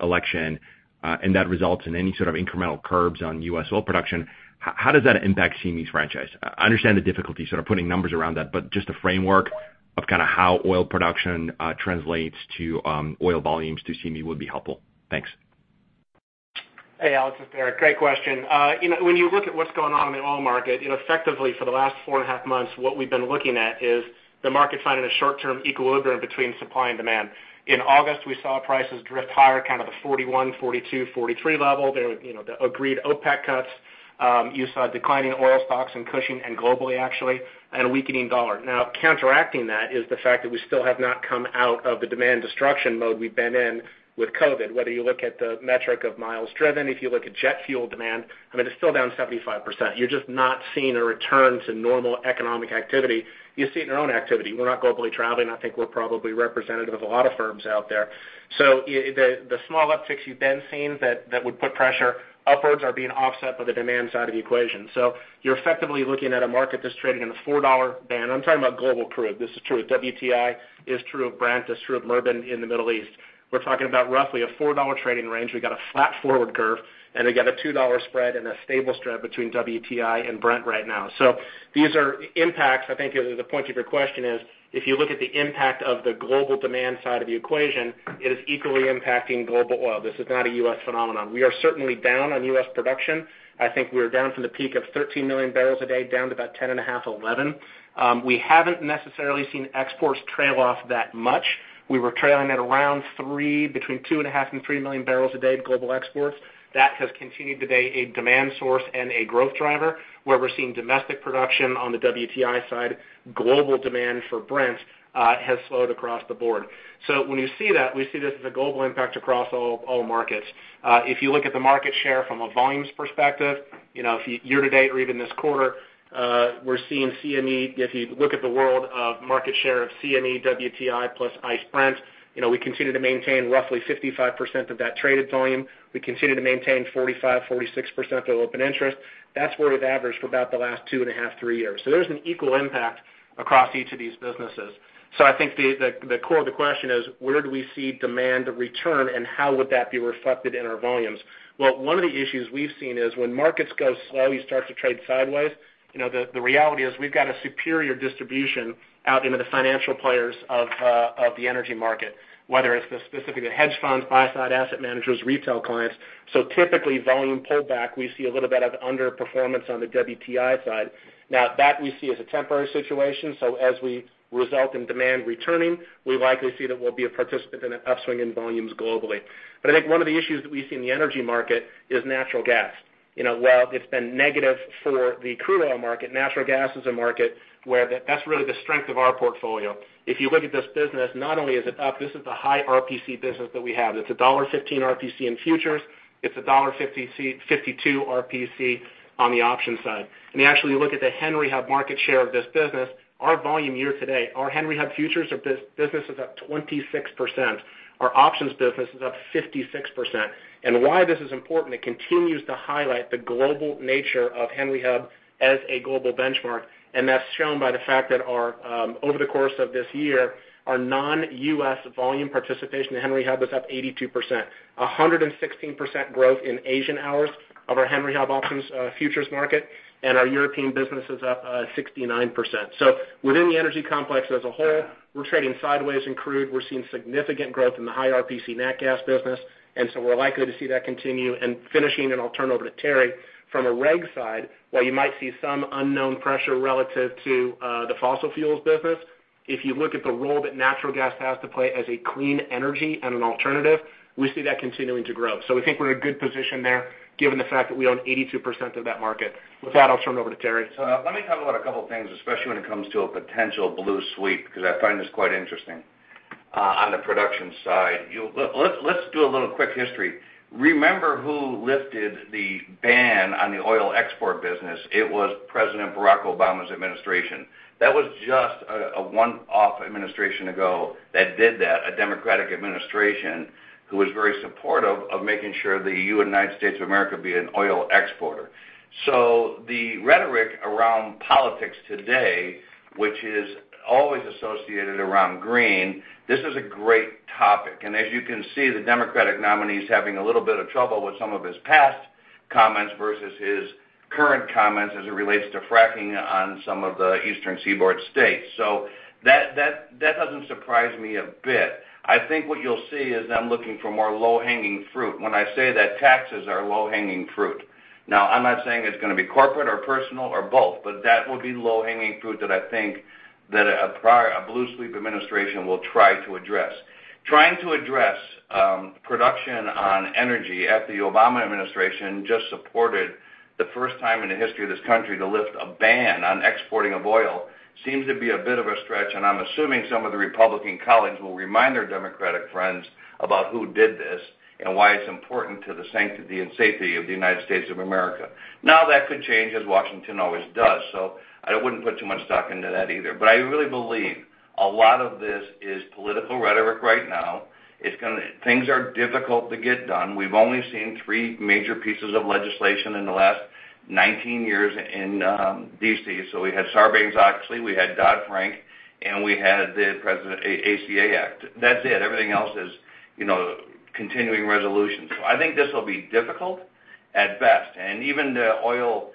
election, and that results in any sort of incremental curbs on U.S. oil production, how does that impact CME's franchise? I understand the difficulty sort of putting numbers around that, but just a framework of kind of how oil production translates to oil volumes to CME would be helpful. Thanks. Hey, Alex, it's Derek. Great question. When you look at what's going on in the oil market, effectively for the last four and a half months, what we've been looking at is the market finding a short-term equilibrium between supply and demand. In August, we saw prices drift higher, kind of the 41, 42, 43 level. There was the agreed OPEC cuts. You saw declining oil stocks in Cushing and globally actually, and a weakening dollar. Counteracting that is the fact that we still have not come out of the demand destruction mode we've been in with COVID, whether you look at the metric of miles driven, if you look at jet fuel demand, I mean, it's still down 75%. You're just not seeing a return to normal economic activity. You see it in our own activity. We're not globally traveling. I think we're probably representative of a lot of firms out there. The small upticks you've then seen that would put pressure upwards are being offset by the demand side of the equation. You're effectively looking at a market that's trading in a $4 band. I'm talking about global crude. This is true of WTI, is true of Brent, is true of Murban in the Middle East. We're talking about roughly a $4 trading range. We've got a flat forward curve and again, a $2 spread and a stable spread between WTI and Brent right now. These are impacts. I think the point of your question is, if you look at the impact of the global demand side of the equation, it is equally impacting global oil. This is not a U.S. phenomenon. We are certainly down on U.S. production. I think we're down from the peak of 13 million barrels a day down to about 10.5, 11. We haven't necessarily seen exports trail off that much. We were trailing at around 3, between 2.5 and 3 million barrels a day global exports. That has continued to be a demand source and a growth driver where we're seeing domestic production on the WTI side, global demand for Brent has slowed across the board. When you see that, we see this as a global impact across all markets. If you look at the market share from a volumes perspective, year to date or even this quarter, we're seeing CME, if you look at the world of market share of CME, WTI plus ICE Brent, we continue to maintain roughly 55% of that traded volume. We continue to maintain 45, 46% of the open interest. That's where we've averaged for about the last two and a half, three years. There's an equal impact across each of these businesses. I think the core of the question is, where do we see demand return and how would that be reflected in our volumes? Well, one of the issues we've seen is when markets go slow, you start to trade sideways. The reality is we've got a superior distribution out into the financial players of the energy market, whether it's the specific hedge funds, buy-side asset managers, retail clients. Typically, volume pullback, we see a little bit of underperformance on the WTI side. Now, that we see as a temporary situation. As we result in demand returning, we likely see that we'll be a participant in an upswing in volumes globally. I think one of the issues that we see in the energy market is natural gas. While it's been negative for the crude oil market, natural gas is a market where that's really the strength of our portfolio. If you look at this business, not only is it up, this is the high RPC business that we have. It's $1.15 RPC in futures. It's $1.52 RPC on the option side. When you actually look at the Henry Hub market share of this business, our volume year to date, our Henry Hub futures business is up 26%. Our options business is up 56%. Why this is important, it continues to highlight the global nature of Henry Hub as a global benchmark, and that's shown by the fact that over the course of this year, our non-U.S. volume participation in Henry Hub was up 82%. 116% growth in Asian hours of our Henry Hub options futures market, and our European business is up 69%. Within the energy complex as a whole, we're trading sideways in crude. We're seeing significant growth in the high RPC nat gas business, and so we're likely to see that continue. Finishing, and I'll turn over to Terry, from a reg side, while you might see some unknown pressure relative to the fossil fuels business, if you look at the role that natural gas has to play as a clean energy and an alternative, we see that continuing to grow. We think we're in a good position there given the fact that we own 82% of that market. With that, I'll turn over to Terry. Let me talk about a couple of things, especially when it comes to a potential blue sweep, because I find this quite interesting. On the production side, let's do a little quick history. Remember who lifted the ban on the oil export business. It was President Barack Obama's administration. That was just a one-off administration ago that did that, a Democratic administration who was very supportive of making sure the United States of America be an oil exporter. The rhetoric around politics today, which is always associated around green, this is a great topic. As you can see, the Democratic nominee's having a little bit of trouble with some of his past comments versus his current comments as it relates to fracking on some of the Eastern Seaboard states. That doesn't surprise me a bit. I think what you'll see is them looking for more low-hanging fruit. When I say that taxes are low-hanging fruit. I'm not saying it's going to be corporate or personal or both, but that would be low-hanging fruit that I think that a blue sweep administration will try to address. Trying to address production on energy after the Obama administration just supported the first time in the history of this country to lift a ban on exporting of oil seems to be a bit of a stretch, and I'm assuming some of the Republican colleagues will remind their Democratic friends about who did this and why it's important to the sanctity and safety of the United States of America. That could change, as Washington always does. I wouldn't put too much stock into that either. I really believe a lot of this is political rhetoric right now. Things are difficult to get done. We've only seen three major pieces of legislation in the last 19 years in D.C. We had Sarbanes-Oxley, we had Dodd-Frank, and we had the ACA Act. That's it. Everything else is continuing resolutions. I think this will be difficult at best. Even the oil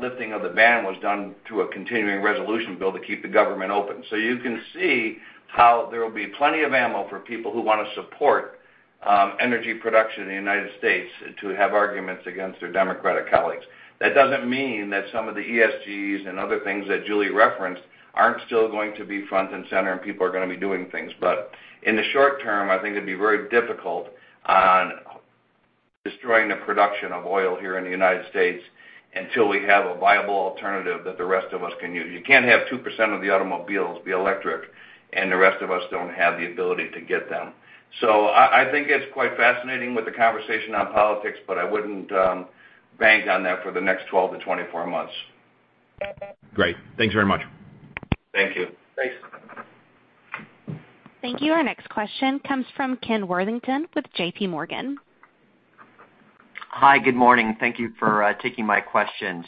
lifting of the ban was done through a continuing resolution bill to keep the government open. You can see how there will be plenty of ammo for people who want to support energy production in the United States to have arguments against their Democratic colleagues. That doesn't mean that some of the ESG and other things that Julie referenced aren't still going to be front and center, and people are going to be doing things. In the short term, I think it'd be very difficult on destroying the production of oil here in the U.S. until we have a viable alternative that the rest of us can use. You can't have 2% of the automobiles be electric and the rest of us don't have the ability to get them. I think it's quite fascinating with the conversation on politics, but I wouldn't bank on that for the next 12-24 months. Great. Thanks very much. Thank you. Thanks. Thank you. Our next question comes from Ken Worthington with J.P. Morgan. Hi. Good morning. Thank you for taking my questions.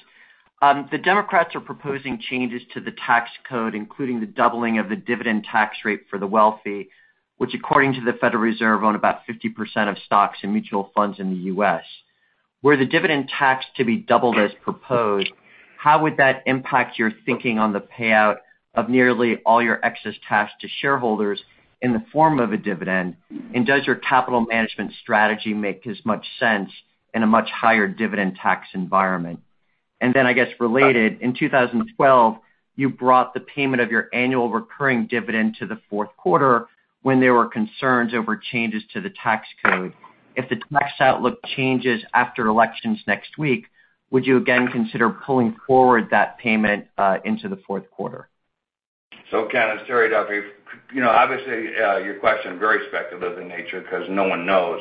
The Democrats are proposing changes to the tax code, including the doubling of the dividend tax rate for the wealthy, which according to the Federal Reserve, own about 50% of stocks and mutual funds in the U.S. Were the dividend tax to be doubled as proposed, how would that impact your thinking on the payout of nearly all your excess tax to shareholders in the form of a dividend? Does your capital management strategy make as much sense in a much higher dividend tax environment? I guess related, in 2012, you brought the payment of your annual recurring dividend to the fourth quarter when there were concerns over changes to the tax code. If the tax outlook changes after elections next week, would you again consider pulling forward that payment into the fourth quarter? Ken, it's Terry Duffy. Obviously, your question, very speculative in nature because no one knows.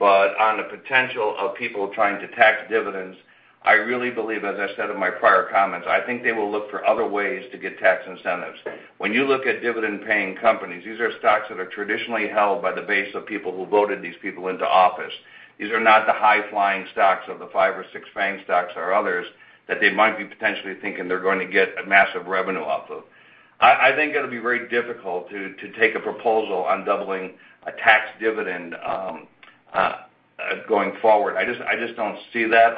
On the potential of people trying to tax dividends, I really believe, as I said in my prior comments, I think they will look for other ways to get tax incentives. When you look at dividend-paying companies, these are stocks that are traditionally held by the base of people who voted these people into office. These are not the high-flying stocks of the five or six FAANG stocks or others that they might be potentially thinking they're going to get a massive revenue off of. I think it'll be very difficult to take a proposal on doubling a tax dividend going forward. I just don't see that.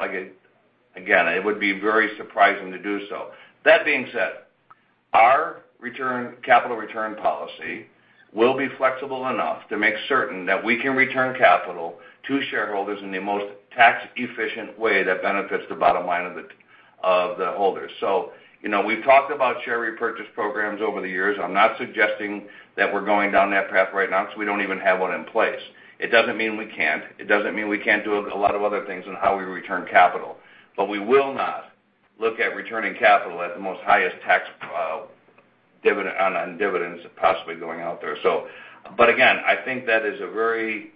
Again, it would be very surprising to do so. That being said, our capital return policy will be flexible enough to make certain that we can return capital to shareholders in the most tax-efficient way that benefits the bottom line of the holders. We've talked about share repurchase programs over the years. I'm not suggesting that we're going down that path right now because we don't even have one in place. It doesn't mean we can't. It doesn't mean we can't do a lot of other things on how we return capital. We will not look at returning capital at the most highest tax on dividends possibly going out there. Again, I think that is a very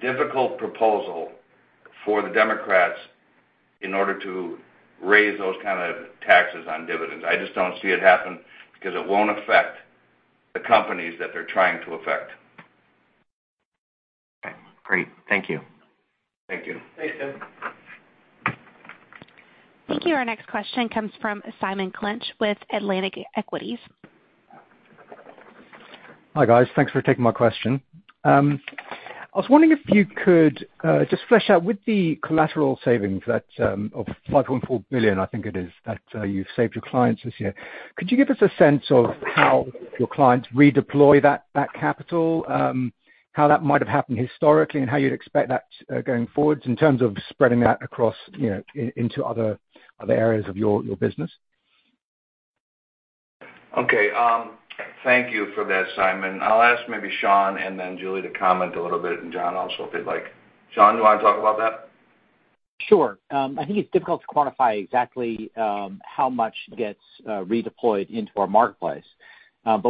difficult proposal for the Democrats in order to raise those kind of taxes on dividends. I just don't see it happen because it won't affect the companies that they're trying to affect. Okay, great. Thank you. Thank you. Thanks, Tim. Thank you. Our next question comes from Simon Clinch with Atlantic Equities. Hi, guys. Thanks for taking my question. I was wondering if you could just flesh out with the collateral savings of $5.4 billion, I think it is, that you've saved your clients this year. Could you give us a sense of how your clients redeploy that capital, how that might have happened historically, and how you'd expect that going forward in terms of spreading that across into other areas of your business? Okay. Thank you for that, Simon. I'll ask maybe Sean and then Julie to comment a little bit, and John also, if they'd like. John, do you want to talk about that? Sure. I think it's difficult to quantify exactly how much gets redeployed into our marketplace.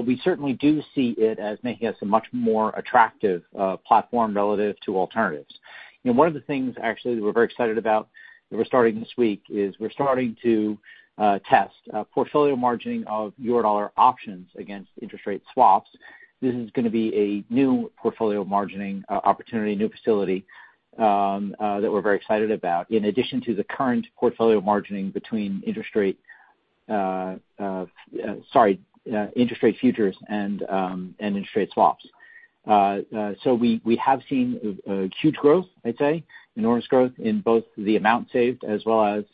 We certainly do see it as making us a much more attractive platform relative to alternatives. One of the things, actually, that we're very excited about, that we're starting this week, is we're starting to test portfolio margining of Eurodollar options against interest rate swaps. This is going to be a new portfolio margining opportunity, a new facility that we're very excited about, in addition to the current portfolio margining between interest rate futures and interest rate swaps. We have seen a huge growth, I'd say, enormous growth in both the amount saved as well as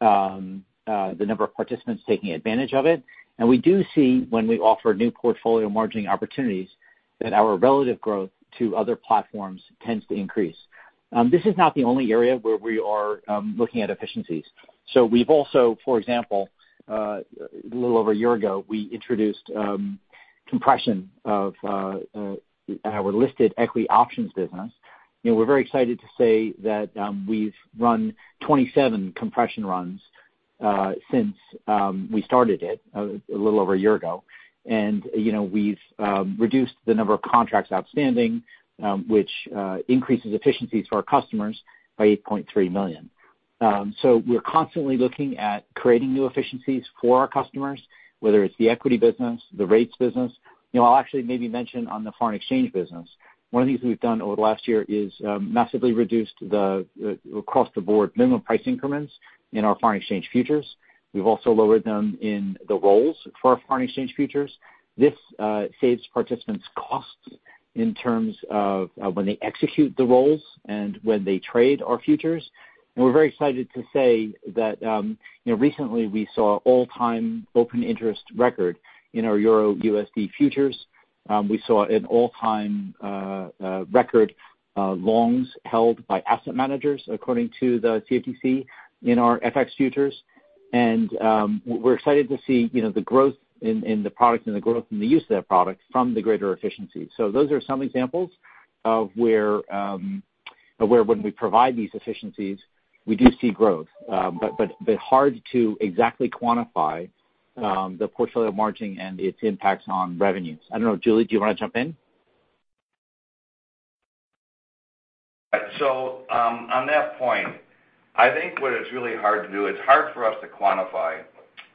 the number of participants taking advantage of it. We do see when we offer new portfolio margining opportunities that our relative growth to other platforms tends to increase. This is not the only area where we are looking at efficiencies. We've also, for example, a little over a year ago, we introduced compression of our listed equity options business. We're very excited to say that we've run 27 compression runs since we started it a little over a year ago. We've reduced the number of contracts outstanding, which increases efficiencies for our customers by $8.3 million. We're constantly looking at creating new efficiencies for our customers, whether it's the equity business, the rates business. I'll actually maybe mention on the foreign exchange business, one of the things we've done over the last year is massively reduced across the board minimum price increments in our foreign exchange futures. We've also lowered them in the rolls for our foreign exchange futures. This saves participants costs in terms of when they execute the rolls and when they trade our futures. We're very excited to say that recently we saw all-time open interest record in our Euro-USD futures. We saw an all-time record longs held by asset managers, according to the CFTC, in our FX futures. We're excited to see the growth in the product and the growth in the use of that product from the greater efficiency. Those are some examples of where when we provide these efficiencies, we do see growth. Hard to exactly quantify the portfolio margining and its impacts on revenues. I don't know, Julie, do you want to jump in? On that point, I think what it's really hard to do, it's hard for us to quantify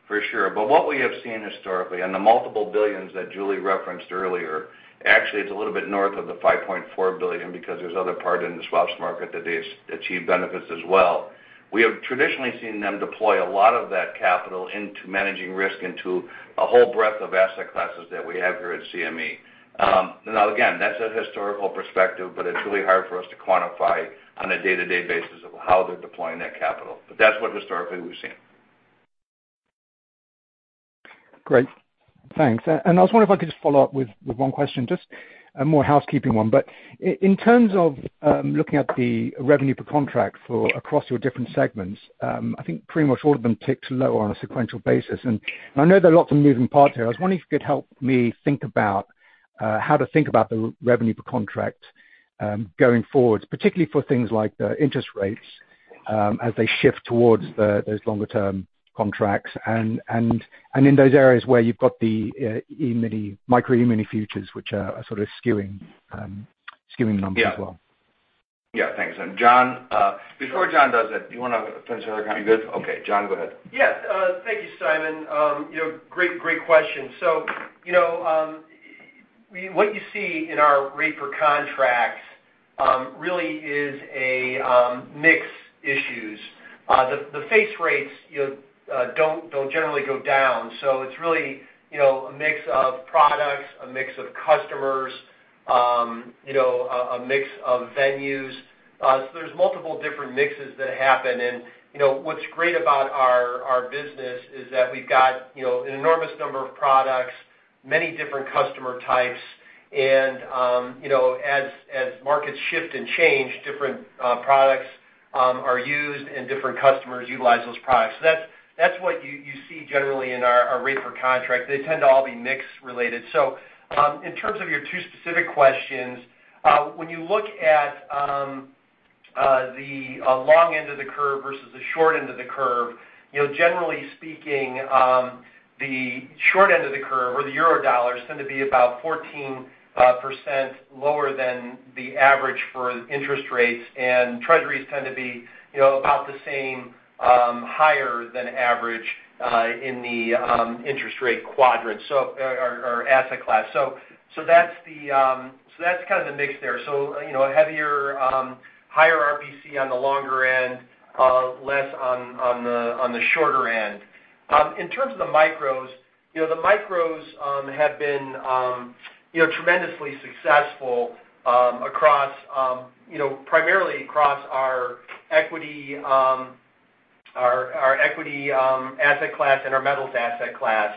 for sure. What we have seen historically on the multiple billions that Julie referenced earlier, actually, it's a little bit north of the $5.4 billion because there's other part in the swaps market that they achieve benefits as well. We have traditionally seen them deploy a lot of that capital into managing risk into a whole breadth of asset classes that we have here at CME. Again, that's a historical perspective, but it's really hard for us to quantify on a day-to-day basis of how they're deploying that capital. That's what historically we've seen. Great. Thanks. I was wondering if I could just follow up with one question, just a more housekeeping one. In terms of looking at the revenue per contract across your different segments, I think pretty much all of them ticked lower on a sequential basis. I know there are lots of moving parts here. I was wondering if you could help me think about how to think about the revenue per contract going forward, particularly for things like the interest rates as they shift towards those longer-term contracts and in those areas where you've got the Micro E-mini futures, which are sort of skewing numbers as well. Yeah. Thanks. Before John does it, do you want to finish the other comment? You good? Okay. John, go ahead. Yes. Thank you, Simon. Great question. What you see in our rate per contract really is a mix issues. The face rates don't generally go down. It's really a mix of products, a mix of customers, a mix of venues. There's multiple different mixes that happen, and what's great about our business is that we've got an enormous number of products, many different customer types. As markets shift and change, different products are used and different customers utilize those products. That's what you see generally in our rate per contract. They tend to all be mix related. In terms of your two specific questions, when you look at the long end of the curve versus the short end of the curve, generally speaking, the short end of the curve or the Eurodollars tend to be about 14% lower than the average for interest rates, and treasuries tend to be about the same, higher than average, in the interest rate quadrant or asset class. That's the mix there. Heavier, higher RPC on the longer end, less on the shorter end. In terms of the micros, the micros have been tremendously successful primarily across our equity asset class and our metals asset class.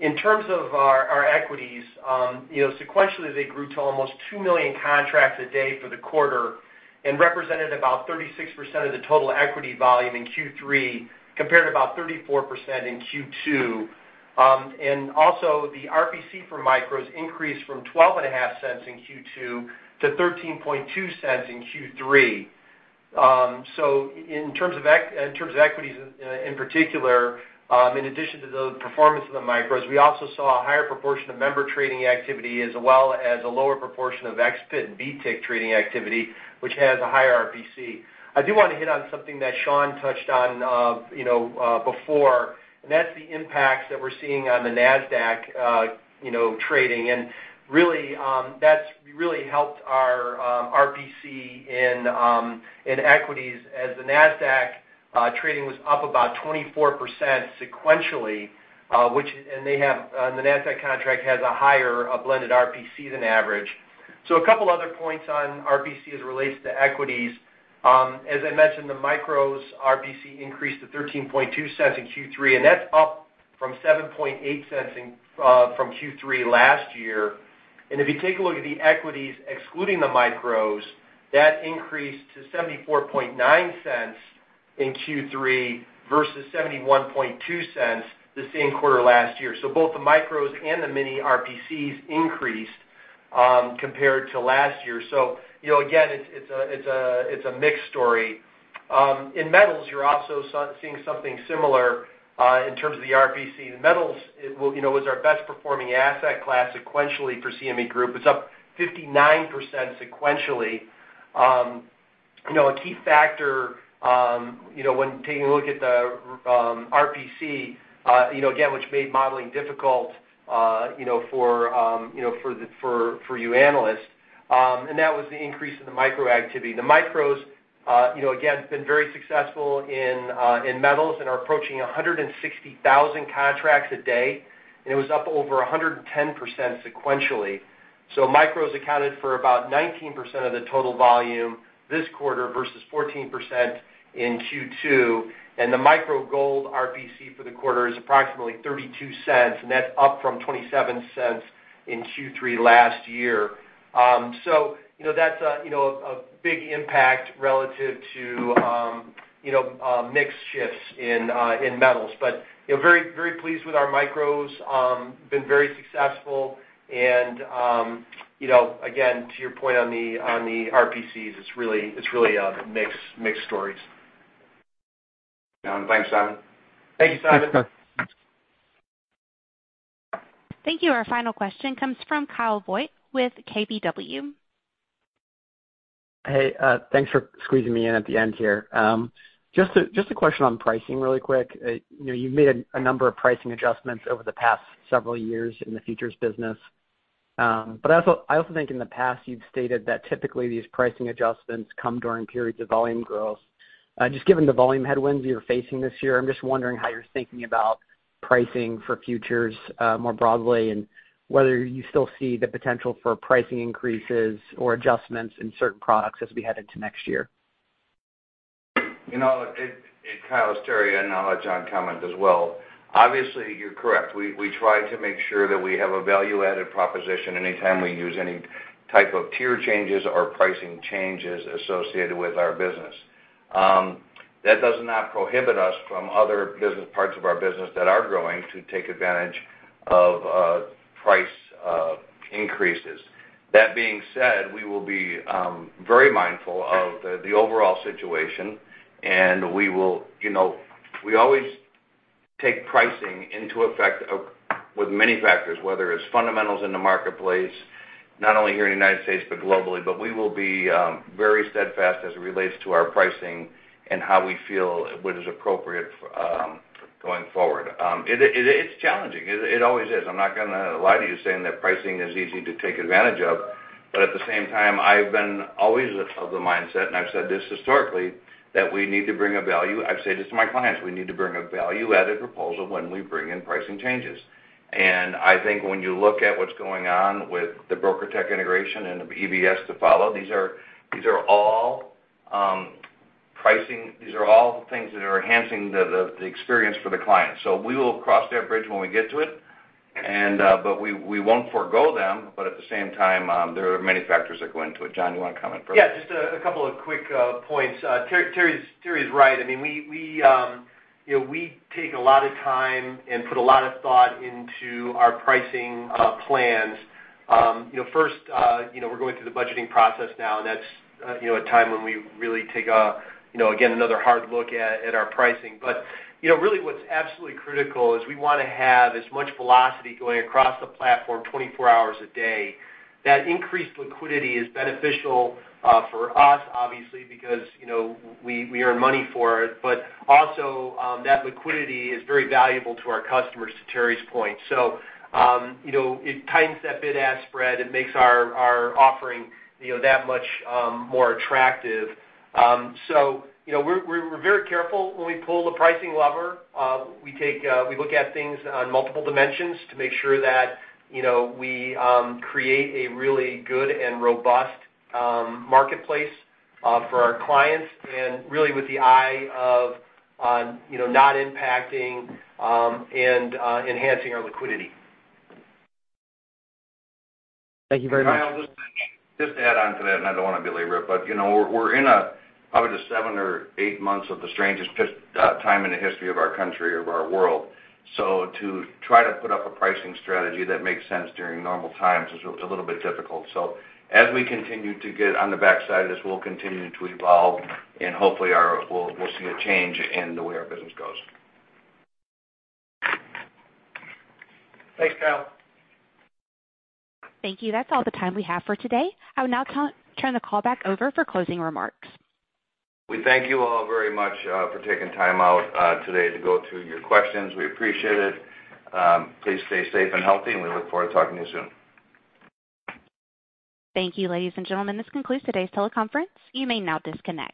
In terms of our equities, sequentially, they grew to almost 2 million contracts a day for the quarter and represented about 36% of the total equity volume in Q3, compared to about 34% in Q2. Also, the RPC for micros increased from $0.125 in Q2 to $0.132 in Q3. In terms of equities in particular, in addition to the performance of the micros, we also saw a higher proportion of member trading activity as well as a lower proportion of ex-pit and BTIC trading activity, which has a higher RPC. I do want to hit on something that Sean touched on before, and that's the impacts that we're seeing on the Nasdaq trading. That's really helped our RPC in equities as the Nasdaq trading was up about 24% sequentially, and the Nasdaq contract has a higher blended RPC than average. A couple other points on RPC as it relates to equities. As I mentioned, the micros RPC increased to $0.132 in Q3, and that's up from $0.078 from Q3 last year. If you take a look at the equities, excluding the micros, that increased to $0.749 in Q3 versus $0.712 the same quarter last year. Both the micros and the mini RPCs increased compared to last year. Again, it's a mixed story. In metals, you're also seeing something similar in terms of the RPC. The metals was our best-performing asset class sequentially for CME Group. It's up 59% sequentially. A key factor when taking a look at the RPC, again, which made modeling difficult for you analysts, and that was the increase in the micro activity. The micros, again, have been very successful in metals and are approaching 160,000 contracts a day, and it was up over 110% sequentially. Micros accounted for about 19% of the total volume this quarter versus 14% in Q2. The Micro Gold RPC for the quarter is approximately $0.32, and that's up from $0.27 in Q3 last year. That's a big impact relative to mix shifts in metals. Very pleased with our micros, been very successful and, again, to your point on the RPCs, it's really mixed stories. Thanks, Simon. Thank you, Simon. Thanks, Simon. Thank you. Our final question comes from Kyle Voigt with KBW. Hey, thanks for squeezing me in at the end here. Just a question on pricing really quick. You've made a number of pricing adjustments over the past several years in the futures business. I also think in the past you've stated that typically these pricing adjustments come during periods of volume growth. Just given the volume headwinds you're facing this year, I'm just wondering how you're thinking about pricing for futures more broadly and whether you still see the potential for pricing increases or adjustments in certain products as we head into next year. Kyle, it's Terry. I'll let John comment as well. Obviously, you're correct. We try to make sure that we have a value-added proposition anytime we use any type of tier changes or pricing changes associated with our business. That does not prohibit us from other parts of our business that are growing to take advantage of price increases. That being said, we will be very mindful of the overall situation, and we always take pricing into effect with many factors, whether it's fundamentals in the marketplace, not only here in the U.S., but globally. We will be very steadfast as it relates to our pricing and how we feel what is appropriate going forward. It's challenging. It always is. I'm not going to lie to you saying that pricing is easy to take advantage of. At the same time, I've been always of the mindset, and I've said this historically, that we need to bring a value-added proposal when we bring in pricing changes. I think when you look at what's going on with the BrokerTec integration and the EBS to follow, these are all things that are enhancing the experience for the client. We will cross that bridge when we get to it. We won't forego them, but at the same time, there are many factors that go into it. John, you want to comment further? Yeah, just a couple of quick points. Terry's right. We take a lot of time and put a lot of thought into our pricing plans. We're going through the budgeting process now. That's a time when we really take, again, another hard look at our pricing. Really what's absolutely critical is we want to have as much velocity going across the platform 24 hours a day. That increased liquidity is beneficial for us, obviously, because we earn money for it. Also, that liquidity is very valuable to our customers, to Terry's point. It tightens that bid-ask spread. It makes our offering that much more attractive. We're very careful when we pull the pricing lever. We look at things on multiple dimensions to make sure that we create a really good and robust marketplace for our clients, really with the eye of not impacting and enhancing our liquidity. Thank you very much. Just to add on to that, I don't want to belabor it, we're in probably seven or eight months of the strangest time in the history of our country, of our world. To try to put up a pricing strategy that makes sense during normal times is a little bit difficult. As we continue to get on the backside of this, we'll continue to evolve and hopefully we'll see a change in the way our business goes. Thanks, panel. Thank you. That's all the time we have for today. I will now turn the call back over for closing remarks. We thank you all very much for taking time out today to go through your questions. We appreciate it. Please stay safe and healthy, and we look forward to talking to you soon. Thank you, ladies and gentlemen. This concludes today's teleconference. You may now disconnect.